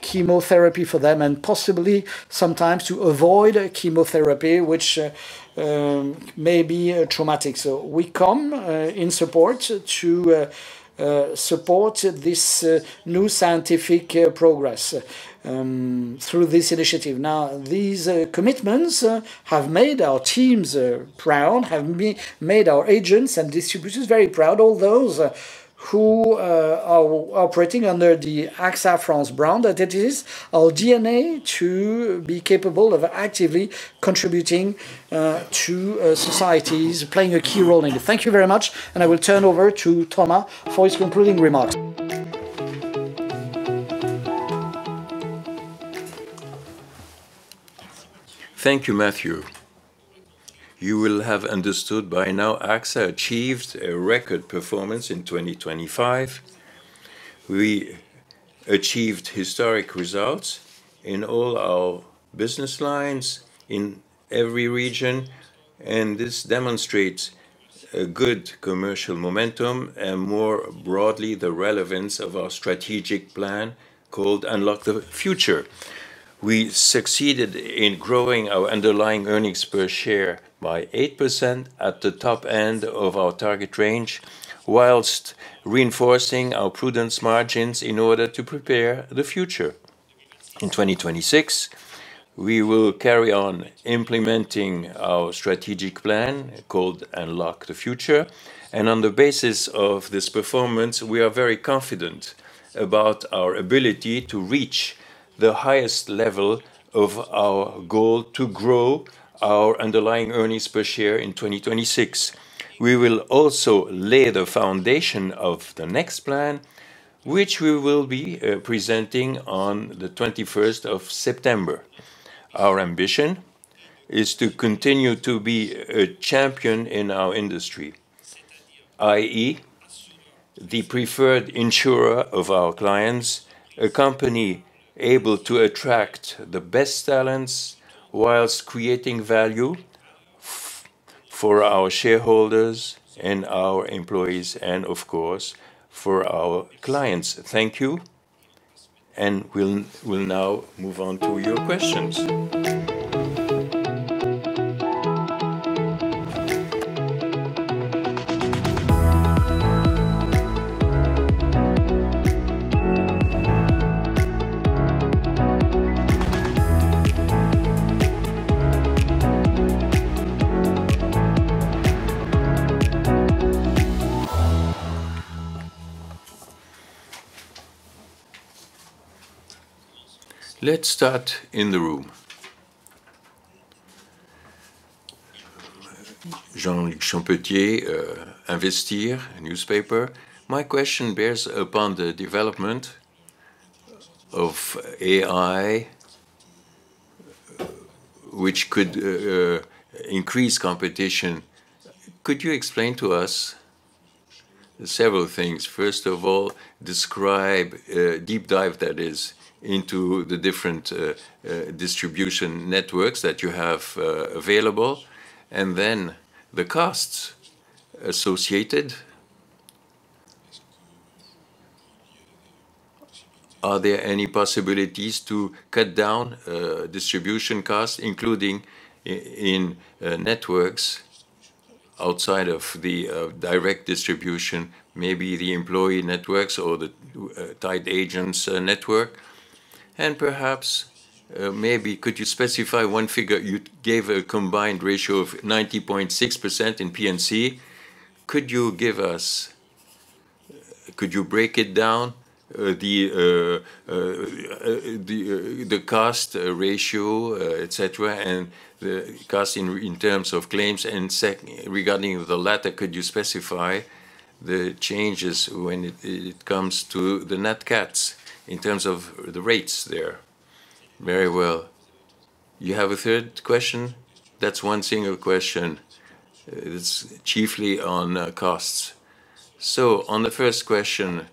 chemotherapy for them, and possibly sometimes to avoid chemotherapy, which may be traumatic. We come in support to support this new scientific progress through this initiative. These commitments have made our teams proud, have made our agents and distributors very proud, all those who are operating under the AXA France brand, that it is our DNA to be capable of actively contributing to societies, playing a key role in it. Thank you very much. I will turn over to Thomas for his concluding remarks. Thank you, Mathieu. You will have understood by now, AXA achieved a record performance in 2025. We achieved historic results in all our business lines in every region. This demonstrates a good commercial momentum, and more broadly, the relevance of our strategic plan called Unlock the Future. We succeeded in growing our underlying earnings per share by 8% at the top end of our target range, whilst reinforcing our prudence margins in order to prepare the future. In 2026, we will carry on implementing our strategic plan, called Unlock the Future. On the basis of this performance, we are very confident about our ability to reach the highest level of our goal to grow our underlying earnings per share in 2026. We will also lay the foundation of the next plan, which we will be presenting on the 21st of September. Our ambition is to continue to be a champion in our industry, i.e., the preferred insurer of our clients, a company able to attract the best talents while creating value for our shareholders and our employees and, of course, for our clients. Thank you. We'll now move on to your questions. Let's start in the room. Jean-Charles Champagnat, Investir newspaper. My question bears upon the development of AI, which could increase competition. Could you explain to us several things? First of all, describe deep dive that is into the different distribution networks that you have available, and then the costs associated. Are there any possibilities to cut down distribution costs, including in networks outside of the direct distribution, maybe the employee networks or the tied agents network? Perhaps, maybe could you specify one figure? You gave a combined ratio of 90.6% in P&C. Could you break it down, the cost ratio, et cetera, and the cost in terms of claims? Regarding the latter, could you specify the changes when it comes to the net catastrophes in terms of the rates there? Very well. You have a third question? That's one single question. It's chiefly on costs. On the first question,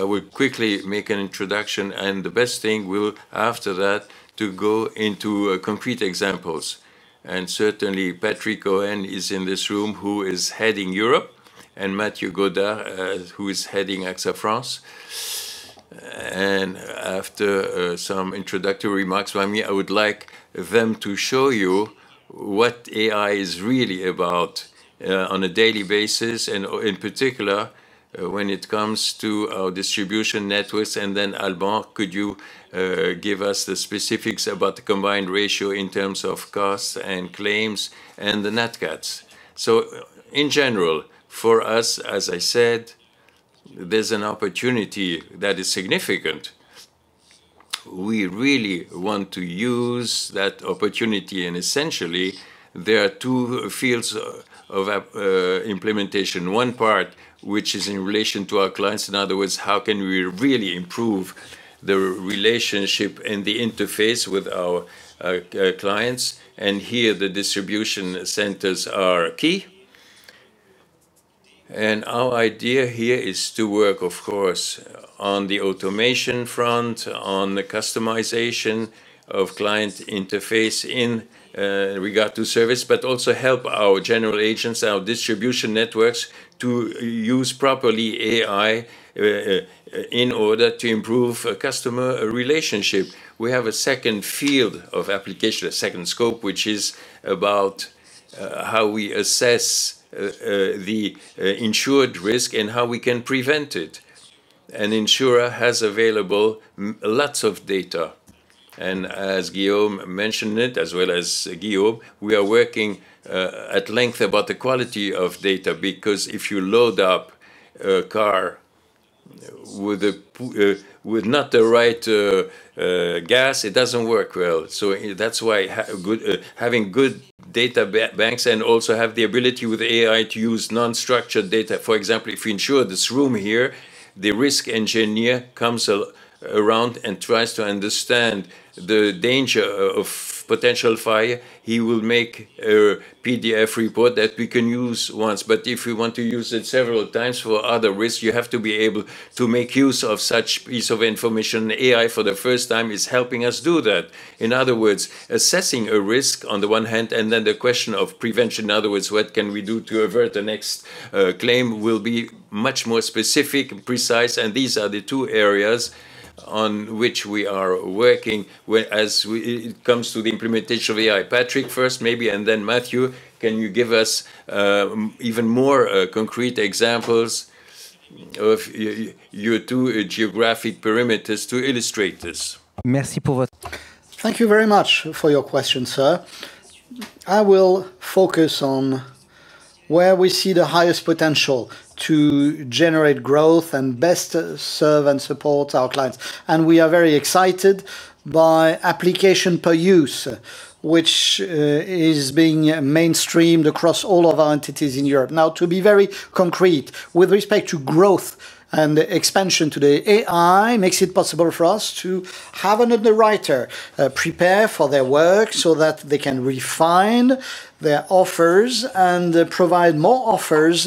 I will quickly make an introduction, and the best thing we'll, after that, to go into concrete examples. Certainly, Patrick Cohen is in this room, who is heading Europe, and Mathieu Godart, who is heading AXA France. After some introductory remarks by me, I would like them to show you what AI is really about on a daily basis, and in particular, when it comes to our distribution networks. Then, Alban, could you give us the specifics about the combined ratio in terms of costs and claims and the net catastrophes? In general, for us, as I said, there's an opportunity that is significant. We really want to use that opportunity, and essentially, there are two fields of implementation. One part, which is in relation to our clients, in other words, how can we really improve the relationship and the interface with our clients? Here, the distribution centers are key. Our idea here is to work, of course, on the automation front, on the customization of client interface in regard to service, but also help our general agents, our distribution networks, to use properly AI in order to improve a customer relationship. We have a second field of application, a second scope, which is about how we assess the insured risk and how we can prevent it. An insurer has available lots of data, and as Guillaume mentioned it, as well as Guillaume, we are working at length about the quality of data, because if you load up a car with not the right gas, it doesn't work well. That's why having good data banks and also have the ability with AI to use non-structured data. For example, if we insure this room here, the risk engineer comes around and tries to understand the danger of potential fire. He will make a PDF report that we can use once, but if we want to use it several times for other risks, you have to be able to make use of such piece of information. AI, for the first time, is helping us do that. In other words, assessing a risk on the one hand, then the question of prevention. In other words, what can we do to avert the next claim will be much more specific and precise, and these are the two areas on which we are working as we it comes to the implementation of AI. Patrick, first maybe, then Mathieu, can you give us even more concrete examples of your two geographic perimeters to illustrate this? Thank you very much for your question, sir. I will focus on where we see the highest potential to generate growth and best serve and support our clients. We are very excited by application per use, which is being mainstreamed across all of our entities in Europe. Now, to be very concrete, with respect to growth and expansion, today, AI makes it possible for us to have an underwriter prepare for their work so that they can refine their offers and provide more offers,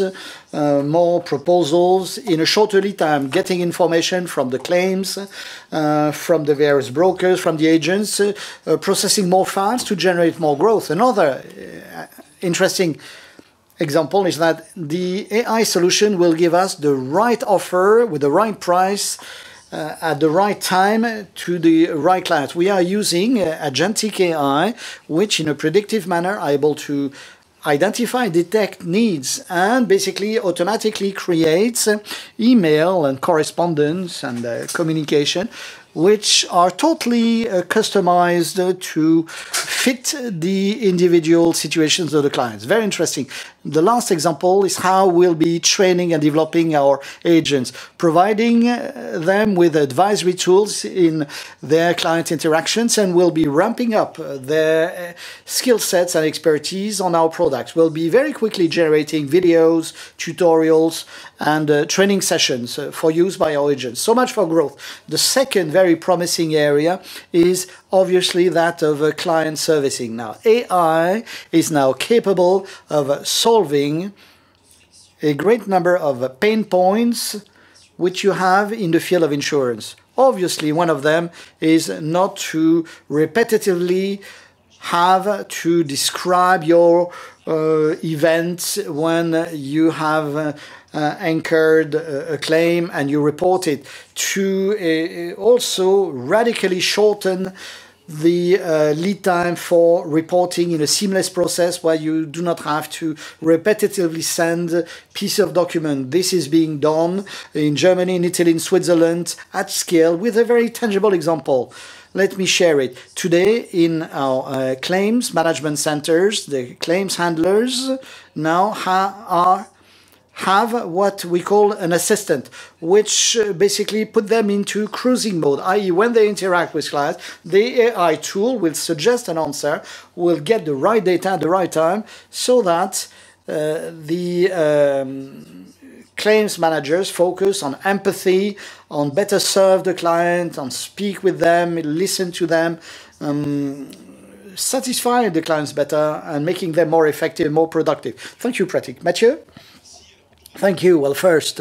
more proposals in a shorter lead time, getting information from the claims, from the various brokers, from the agents, processing more files to generate more growth. Another interesting example is that the AI solution will give us the right offer with the right price at the right time to the right client. We are using agentic AI, which in a predictive manner, are able to identify, detect needs, and basically automatically creates email and correspondence and communication, which are totally customized fit the individual situations of the clients. Very interesting. The last example is how we'll be training and developing our agents, providing them with advisory tools in their client interactions, and we'll be ramping up their skill sets and expertise on our products. We'll be very quickly generating videos, tutorials, and training sessions for use by our agents. Much for growth. The second very promising area is obviously that of client servicing. Now, AI is now capable of solving a great number of pain points which you have in the field of insurance. Obviously, one of them is not to repetitively have to describe your events when you have incurred a claim and you report it. To also radically shorten the lead time for reporting in a seamless process where you do not have to repetitively send piece of document. This is being done in Germany, in Italy, in Switzerland, at scale, with a very tangible example. Let me share it. Today, in our claims management centers, the claims handlers now have what we call an assistant, which basically put them into cruising mode, i.e., when they interact with client, the AI tool will suggest an answer, will get the right data at the right time, so that the claims managers focus on empathy, on better serve the client, on speak with them, listen to them, satisfy the clients better, and making them more effective, more productive. Thank you, Patrick. Mathieu? Thank you. First,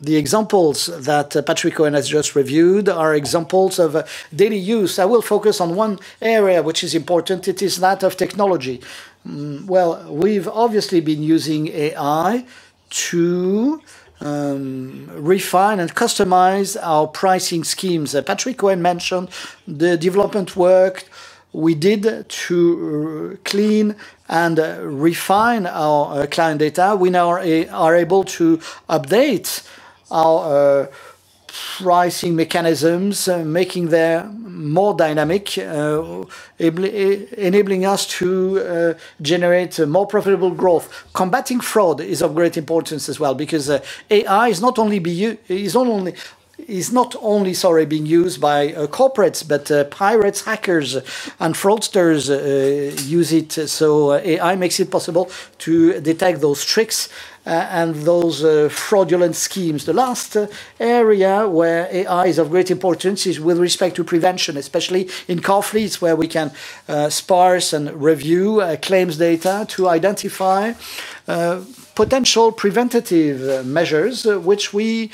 the examples that Patrick Cohen has just reviewed are examples of daily use. I will focus on one area which is important, it is that of technology. We've obviously been using AI to refine and customize our pricing schemes. Patrick Cohen mentioned the development work we did to clean and refine our client data. We now are able to update our pricing mechanisms, making them more dynamic, enabling us to generate a more profitable growth. Combating fraud is of great importance as well, because AI is not only, sorry, being used by corporates, but pirates, hackers, and fraudsters use it. AI makes it possible to detect those tricks and those fraudulent schemes. The last area where AI is of great importance is with respect to prevention, especially in car fleets, where we can sparse and review claims data to identify potential preventative measures, which we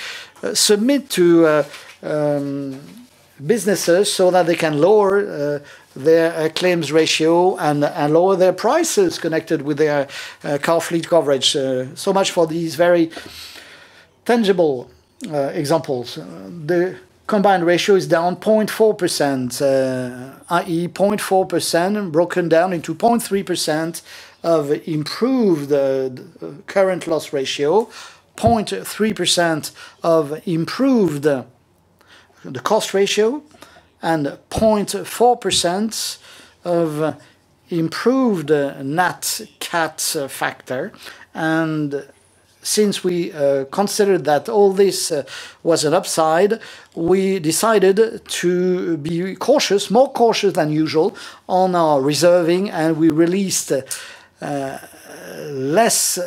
submit to businesses so that they can lower their claims ratio and lower their prices connected with their car fleet coverage. So much for these very tangible examples. The combined ratio is down 0.4%, broken down into 0.3% of improved current loss ratio, 0.3% of improved expense ratio, and 0.4% of improved net CAT factor. Since we considered that all this was an upside, we decided to be cautious, more cautious than usual, on our reserving, and we released less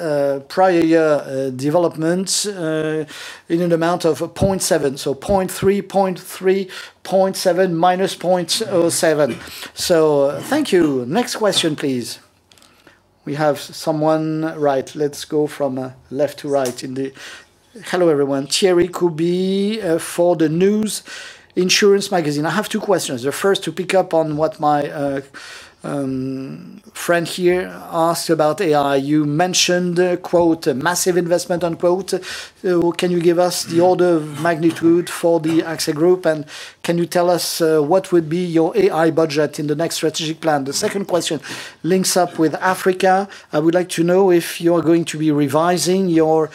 prior year developments in an amount of 0.7. So 0.3, 0.3, 0.7 minus 0.07. Thank you. Next question, please. We have someone... Right, let's go from left to right. Hello, everyone. Thierry Gouby for News Assurances Pro. I have two questions. The first, to pick up on what my friend here asked about AI. You mentioned, quote, "A massive investment," unquote. Can you give us the order of magnitude for the AXA Group, and can you tell us what would be your AI budget in the next strategic plan? The second question links up with Africa. I would like to know if you're going to be revising your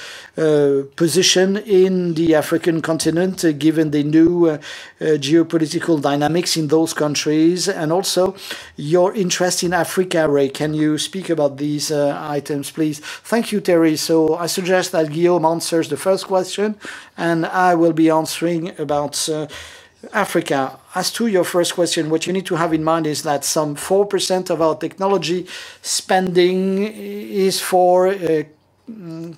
position in the African continent, given the new geopolitical dynamics in those countries, and also your interest in Africa Re. Can you speak about these items, please? Thank you, Thierry. I suggest that Guillaume answers the first question, and I will be answering about Africa. As to your first question, what you need to have in mind is that some 4% of our technology spending is for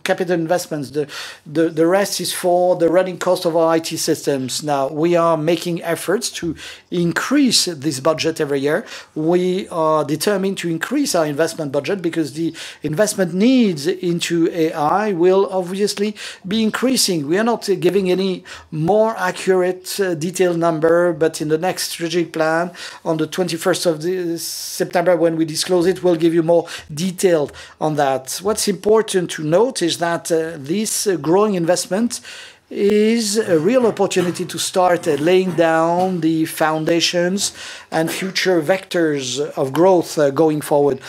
capital investments. The rest is for the running cost of our IT systems. We are making efforts to increase this budget every year. We are determined to increase our investment budget because the investment needs into AI will obviously be increasing. We are not giving any more accurate, detailed number, but in the next strategic plan, on the twenty-first of this September, when we disclose it, we'll give you more detail on that. What's important to note is that this growing investment is a real opportunity to start laying down the foundations and future vectors of growth going forward.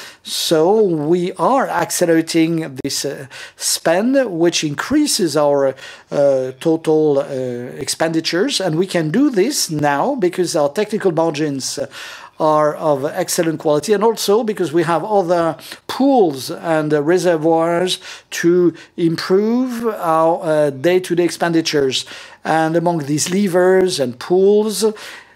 We are accelerating this spend, which increases our total expenditures, and we can do this now because our technical margins are of excellent quality, and also because we have other pools and reservoirs to improve our day-to-day expenditures. Among these levers and tools,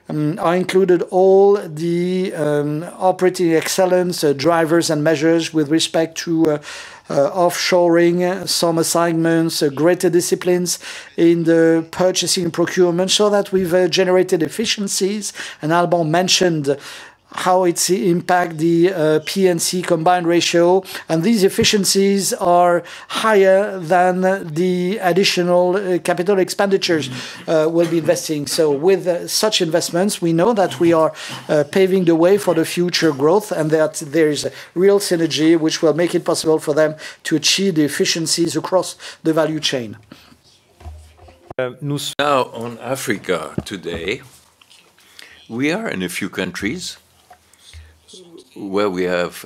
I included all the operating excellence drivers and measures with respect to offshoring some assignments, greater disciplines in the purchasing procurement, so that we've generated efficiencies. Alban mentioned how it's impact the P&C combined ratio, and these efficiencies are higher than the additional capital expenditures we'll be investing. With such investments, we know that we are paving the way for the future growth, and that there is a real synergy which will make it possible for them to achieve the efficiencies across the value chain. Now on Africa today, we are in a few countries where we have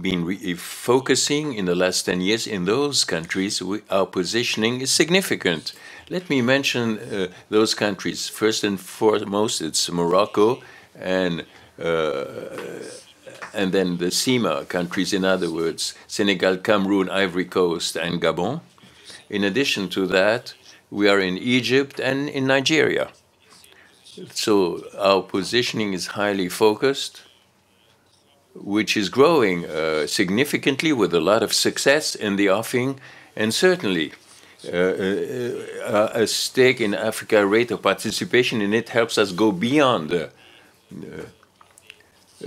been re-focusing in the last 10 years. In those countries, our positioning is significant. Let me mention those countries. First and foremost, it's Morocco and then the CIMA countries, in other words, Senegal, Cameroon, Ivory Coast, and Gabon. In addition to that, we are in Egypt and in Nigeria. Our positioning is highly focused, which is growing significantly with a lot of success in the offing. Certainly, a stake in Africa Re participation, and it helps us go beyond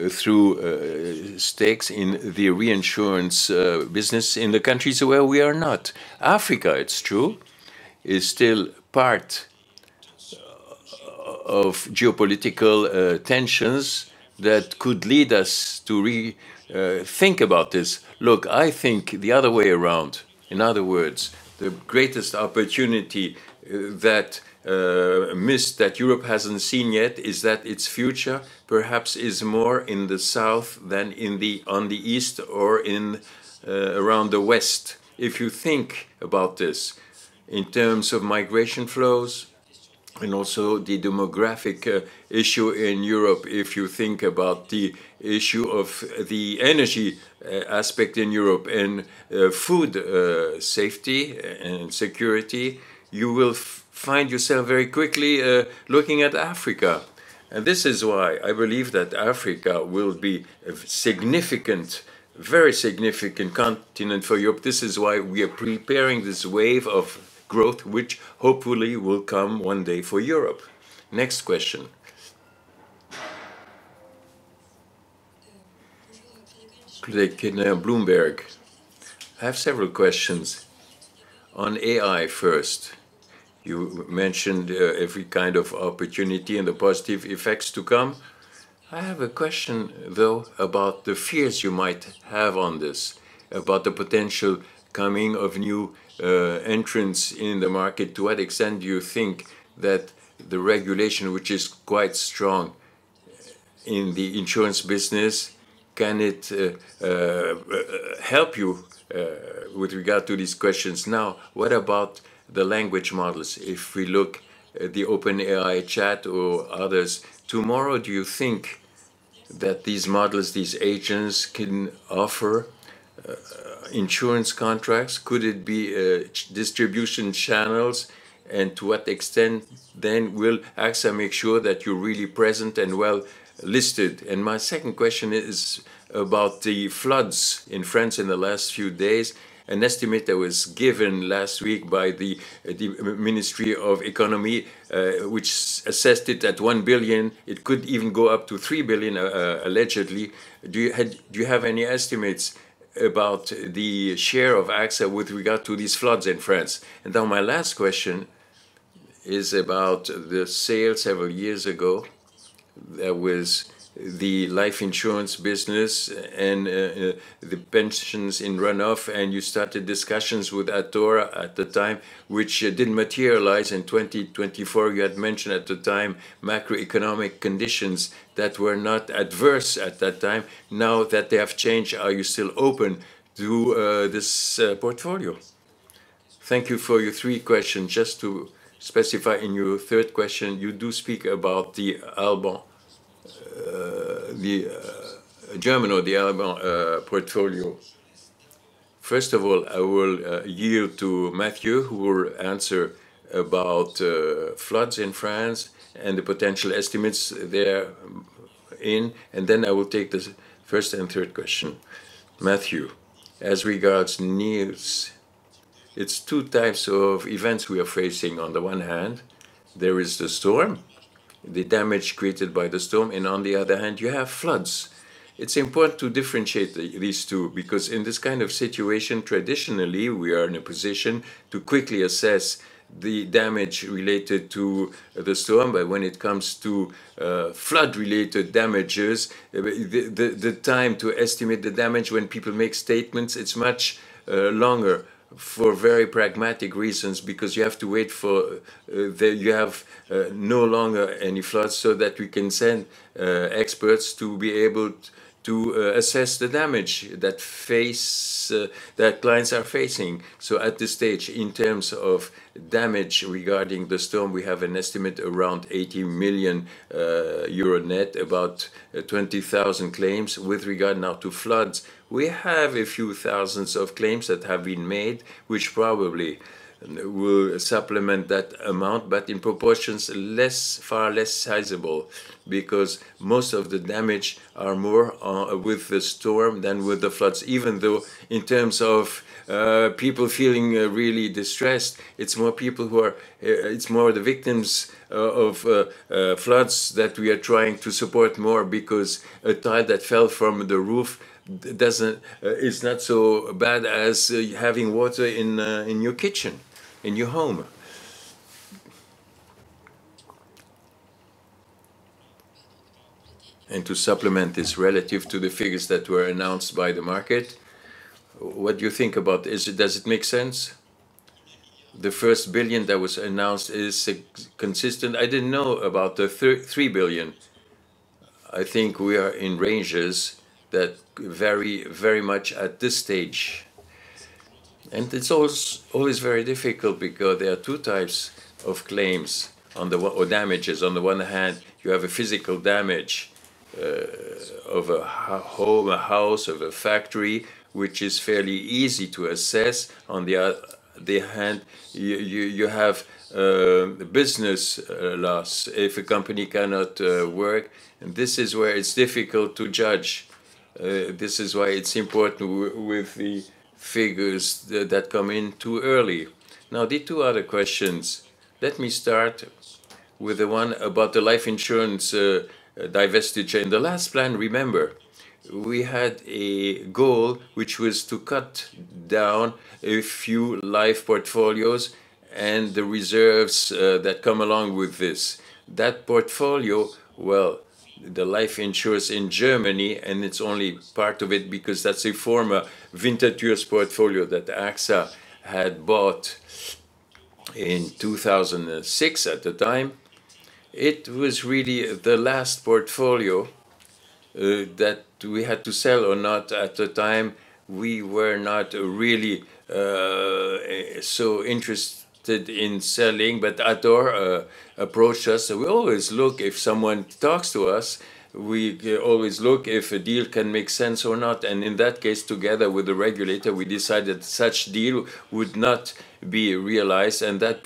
through stakes in the reinsurance business in the countries where we are not. Africa, it's true, is still part of geopolitical tensions that could lead us to rethink about this. Look, I think the other way around, in other words, the greatest opportunity that missed, that Europe hasn't seen yet, is that its future perhaps is more in the south than on the east or in around the west. If you think about this in terms of migration flows and also the demographic issue in Europe, if you think about the issue of the energy aspect in Europe and food safety and security, you will find yourself very quickly looking at Africa. This is why I believe that Africa will be a significant, very significant continent for Europe. Next question. Bloomberg. I have several questions. On AI first, you mentioned every kind of opportunity and the positive effects to come. I have a question, though, about the fears you might have on this, about the potential coming of new entrants in the market. To what extent do you think that the regulation, which is quite strong in the insurance business, can it help you with regard to these questions? What about the language models? If we look at the OpenAI chat or others, tomorrow, do you think that these models, these agents, can offer insurance contracts? Could it be distribution channels, and to what extent then will AXA make sure that you're really present and well-listed? My second question is about the floods in France in the last few days. An estimate that was given last week by the Ministry of Economy, which assessed it at 1 billion, it could even go up to 3 billion, allegedly. Do you have any estimates about the share of AXA with regard to these floods in France? Now, my last question is about the sale several years ago. There was the life insurance business and the pensions in run-off, and you started discussions with Athora at the time, which didn't materialize. In 2024, you had mentioned at the time, macroeconomic conditions that were not adverse at that time. Now that they have changed, are you still open to this portfolio? Thank you for your 3 questions. Just to specify, in your third question, you do speak about the Alban. The German or the Alban portfolio. First of all, I will yield to Mathieu, who will answer about floods in France and the potential estimates there, in, and then I will take the first and third question. Mathieu? As regards news, it's two types of events we are facing. On the one hand, there is the storm, the damage created by the storm, and on the other hand, you have floods. It's important to differentiate these two, because in this kind of situation, traditionally, we are in a position to quickly assess the damage related to the storm. But when it comes to flood-related damages, the, the time to estimate the damage when people make statements, it's much longer for very pragmatic reasons, because you have to wait for the... You have no longer any floods, so that we can send experts to be able to assess the damage that clients are facing. At this stage, in terms of damage regarding the storm, we have an estimate around 80 million euro net, about 20,000 claims. With regard now to floods, we have a few thousands of claims that have been made, which probably will supplement that amount, but in proportions less, far less sizable, because most of the damage are more with the storm than with the floods. Even though in terms of people feeling really distressed, it's more people who are. It's more the victims of floods that we are trying to support more, because a tile that fell from the roof is not so bad as having water in your kitchen, in your home. To supplement this relative to the figures that were announced by the market, what do you think about? Is it, does it make sense? The first 1 billion that was announced is consistent. I didn't know about the 3 billion. I think we are in ranges that vary very much at this stage, and it's always very difficult because there are two types of claims on or damages. On the one hand, you have a physical damage of a home, a house, of a factory, which is fairly easy to assess. On the other hand, you have business loss if a company cannot work, and this is where it's difficult to judge. This is why it's important with the figures that come in too early. The two other questions, let me start with the one about the life insurance divestiture. In the last plan, remember, we had a goal, which was to cut down a few life portfolios and the reserves that come along with this. That portfolio, well, the life insurance in Germany, and it's only part of it because that's a former vintage US portfolio that AXA had bought in 2006 at the time. It was really the last portfolio that we had to sell or not. At the time, we were not really so interested in selling, Athora approached us. We always look if someone talks to us, we always look if a deal can make sense or not, and in that case, together with the regulator, we decided such deal would not be realized. That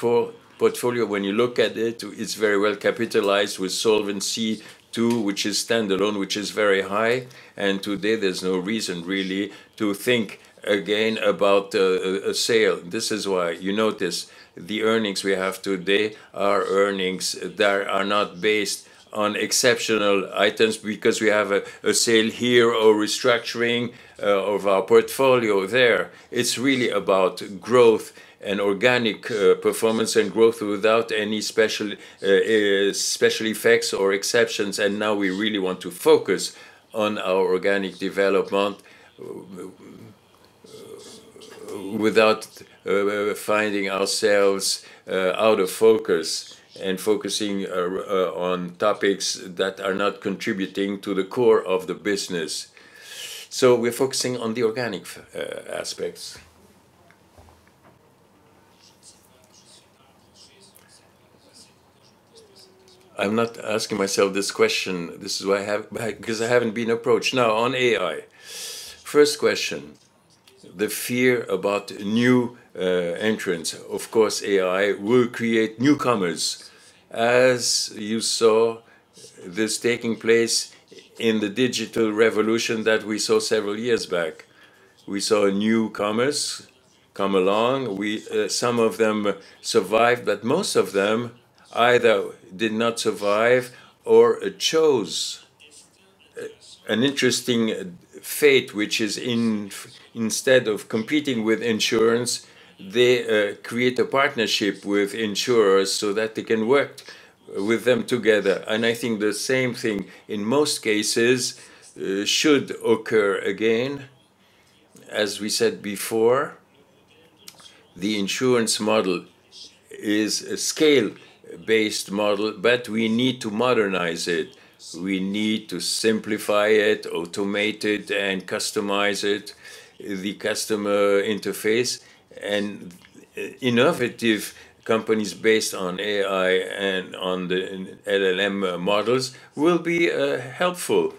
portfolio, when you look at it, is very well capitalized with Solvency II, which is standalone, which is very high, and today there's no reason really to think again about a sale. This is why you notice the earnings we have today are earnings that are not based on exceptional items, because we have a sale here or restructuring of our portfolio there. It's really about growth and organic performance and growth without any special effects or exceptions. Now we really want to focus on our organic development without finding ourselves out of focus and focusing on topics that are not contributing to the core of the business. We're focusing on the organic aspects. I'm not asking myself this question. This is why I haven't been approached. Now, on AI, first question: the fear about new entrants. Of course, AI will create newcomers, as you saw this taking place in the digital revolution that we saw several years back. We saw newcomers come along. Some of them survived, but most of them either did not survive or chose an interesting fate, which is instead of competing with insurance, they create a partnership with insurers so that they can work with them together. I think the same thing, in most cases, should occur again. We said before, the insurance model is a scale-based model, but we need to modernize it. We need to simplify it, automate it, and customize it, the customer interface. Innovative companies based on AI and on the LLM models will be helpful.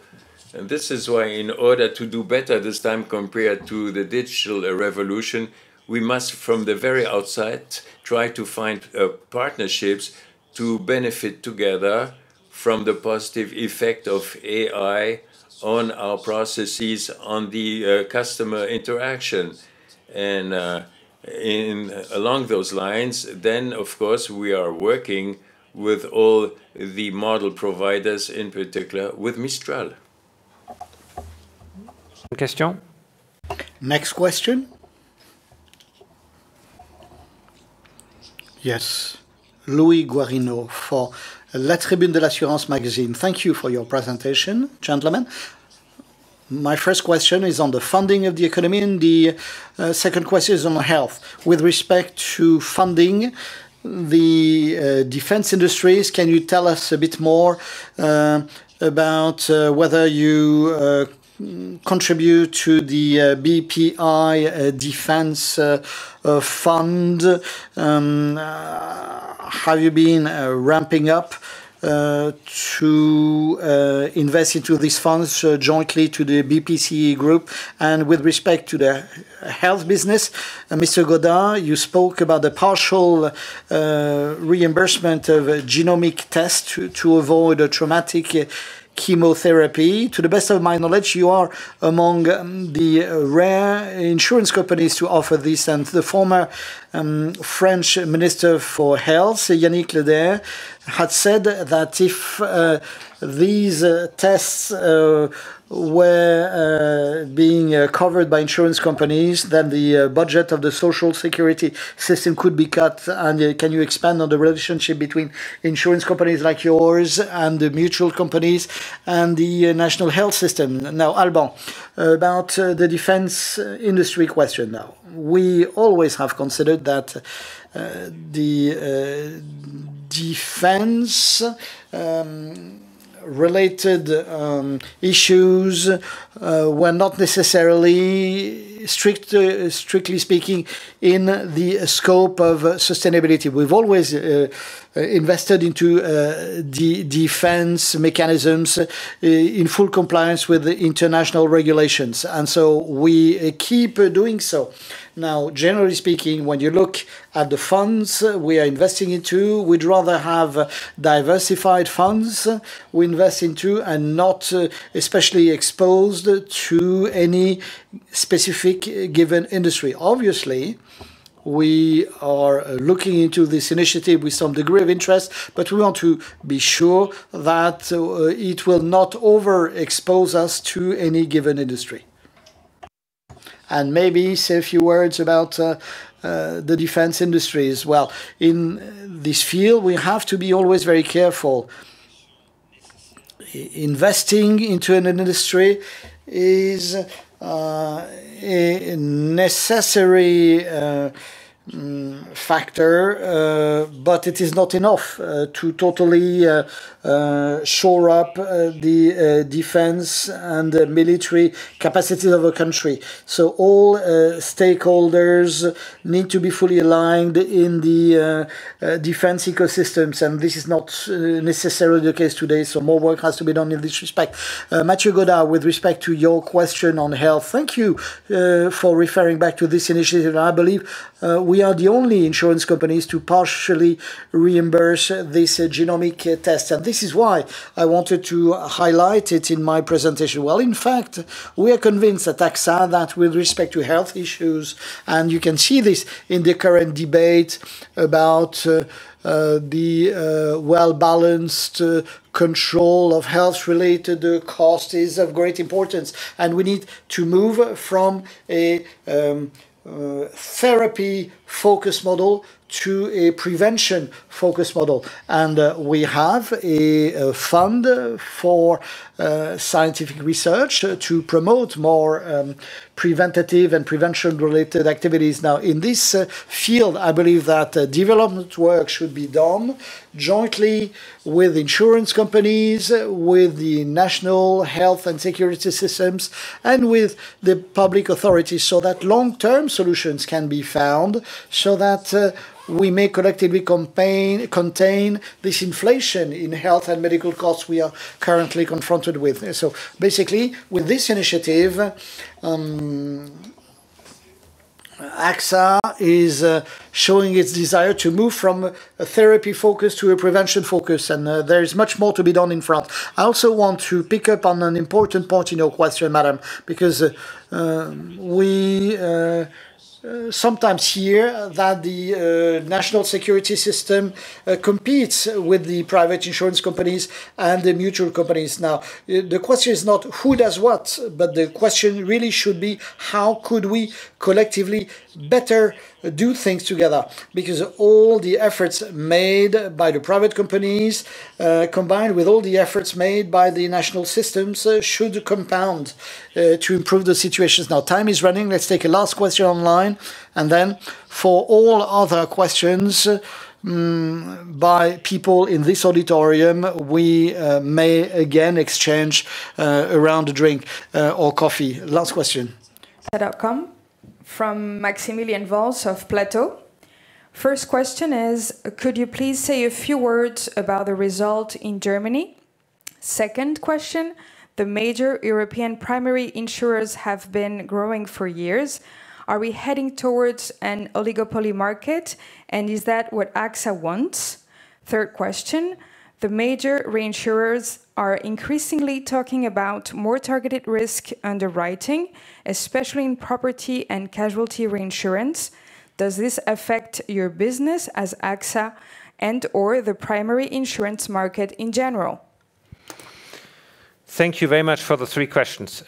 This is why, in order to do better this time compared to the digital revolution, we must, from the very outset, try to find partnerships to benefit together from the positive effect of AI on our processes, on the customer interaction. In along those lines, of course, we are working with all the model providers, in particular with Mistral. Question? Next question. Yes, Louis Guarino for La Tribune de l'Assurance magazine. Thank you for your presentation, gentlemen. My first question is on the funding of the economy, and the second question is on health. With respect to funding the defense industries, can you tell us a bit more about whether you contribute to the Bpifrance Défense Fund? Have you been ramping up to invest into these funds jointly to the Groupe BPCE? With respect to the health business, Mr. Godart, you spoke about the partial reimbursement of a genomic test to avoid a traumatic chemotherapy. To the best of my knowledge, you are among the rare insurance companies to offer this, the former French Minister for Health, Yannick Neuder, had said that if these tests were being covered by insurance companies, then the budget of the social security system could be cut. Can you expand on the relationship between insurance companies like yours and the mutual companies and the national health system? Now, Alban, about the defense industry question now. We always have considered that the defense related issues were not necessarily strictly speaking in the scope of sustainability. We've always invested into the defense mechanisms in full compliance with the international regulations, and so we keep doing so. Now, generally speaking, when you look at the funds we are investing into, we'd rather have diversified funds we invest into and not especially exposed to any specific given industry. Obviously, we are looking into this initiative with some degree of interest, but we want to be sure that it will not overexpose us to any given industry. Maybe say a few words about the defense industry as well. In this field, we have to be always very careful. Investing into an industry is a necessary factor, but it is not enough to totally shore up the defense and the military capacity of a country. All stakeholders need to be fully aligned in the defense ecosystems, and this is not necessarily the case today, more work has to be done in this respect. Mathieu Godart, with respect to your question on health, thank you for referring back to this initiative. I believe we are the only insurance companies to partially reimburse this genomic test, and this is why I wanted to highlight it in my presentation. In fact, we are convinced at AXA that with respect to health issues, and you can see this in the current debate about the well-balanced control of health-related costs, is of great importance. We need to move from a therapy-focused model to a prevention-focused model. We have a fund for scientific research to promote more preventative and prevention-related activities. Now, in this field, I believe that development work should be done jointly with insurance companies, with the national health and security systems, and with the public authorities, so that long-term solutions can be found, so that we may collectively contain this inflation in health and medical costs we are currently confronted with. Basically, with this initiative, AXA is showing its desire to move from a therapy focus to a prevention focus, and there is much more to be done in France. I also want to pick up on an important part in your question, madam, because we sometimes hear that the national security system competes with the private insurance companies and the mutual companies. The question is not who does what, but the question really should be: how could we collectively better do things together? All the efforts made by the private companies, combined with all the efforts made by the national systems, should compound to improve the situations. Time is running. Let's take a last question online, for all other questions by people in this auditorium, we may again exchange around a drink or coffee. Last question. From Valli of Massimiliano Plato. First question is, could you please say a few words about the result in Germany? Second question: The major European primary insurers have been growing for years. Are we heading towards an oligopoly market, and is that what AXA wants? Third question: The major reinsurers are increasingly talking about more targeted risk underwriting, especially in property and casualty reinsurance. Does this affect your business as AXA and/or the primary insurance market in general? Thank you very much for the three questions.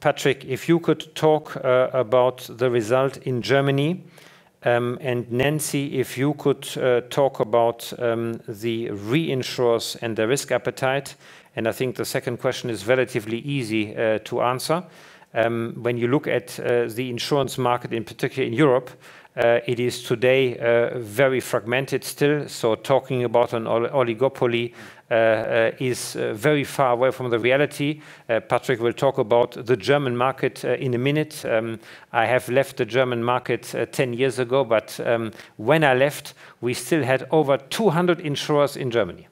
Patrick, if you could talk about the result in Germany. Nancy, if you could talk about the reinsurers and the risk appetite. I think the 2nd question is relatively easy to answer. When you look at the insurance market, in particular in Europe, it is today very fragmented still. Talking about an oligopoly is very far away from the reality. Patrick will talk about the German market in a minute. I have left the German market 10 years ago, but when I left, we still had over 200 insurers in Germany.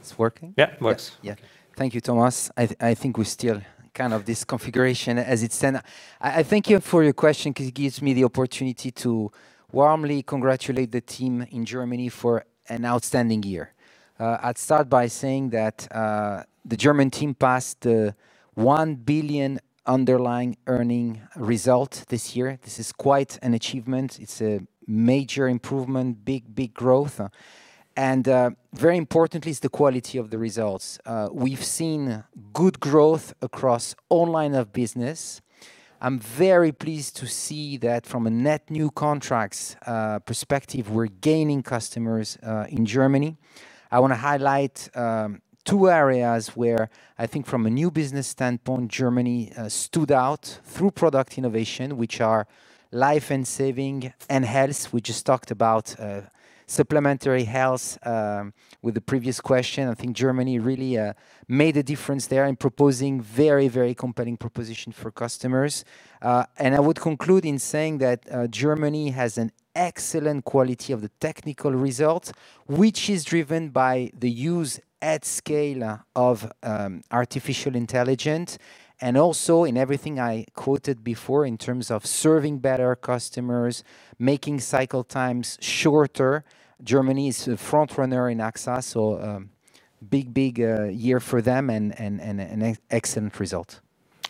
It's working? Yeah, it works. Yeah. Thank you, Thomas. I think we're still kind of this configuration as it's stand. I thank you for your question 'cause it gives me the opportunity to warmly congratulate the team in Germany for an outstanding year. I'd start by saying that the German team passed 1 billion underlying earning result this year. This is quite an achievement. It's a major improvement, big growth, and very importantly is the quality of the results. We've seen good growth across all line of business. I'm very pleased to see that from a net new contracts perspective, we're gaining customers in Germany. I wanna highlight two areas where I think from a new business standpoint, Germany stood out through product innovation, which are life and saving and health. We just talked about supplementary health with the previous question. I think Germany really made a difference there in proposing very, very compelling proposition for customers. I would conclude in saying that Germany has an excellent quality of the technical result, which is driven by the use at scale of artificial intelligence, and also in everything I quoted before in terms of serving better customers, making cycle times shorter. Germany is a frontrunner in AXA. Big, big year for them and an excellent result.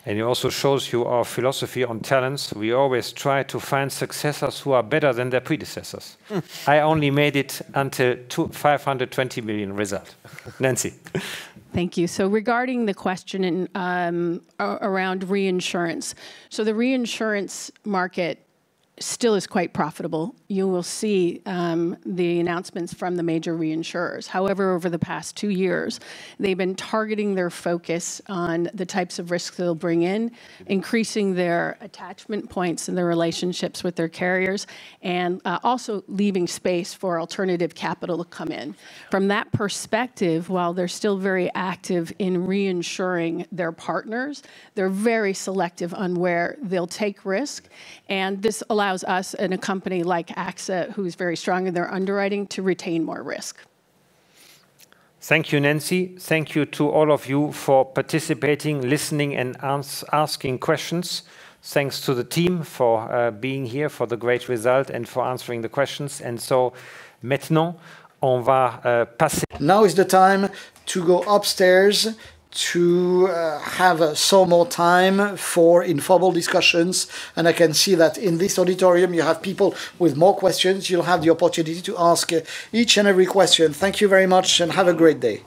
It also shows you our philosophy on talents. We always try to find successors who are better than their predecessors. I only made it until 520 million result. Nancy? Thank you. Regarding the question in around reinsurance, the reinsurance market still is quite profitable. You will see the announcements from the major reinsurers. Over the past two years, they've been targeting their focus on the types of risks they'll bring in, increasing their attachment points and their relationships with their carriers, and also leaving space for alternative capital to come in. From that perspective, while they're still very active in reinsuring their partners, they're very selective on where they'll take risk, and this allows us and a company like AXA, who's very strong in their underwriting, to retain more risk. Thank you, Nancy. Thank you to all of you for participating, listening, and asking questions. Thanks to the team for being here, for the great result, and for answering the questions. "..." Now is the time to go upstairs to have some more time for informal discussions, and I can see that in this auditorium you have people with more questions. You'll have the opportunity to ask each and every question. Thank you very much, and have a great day.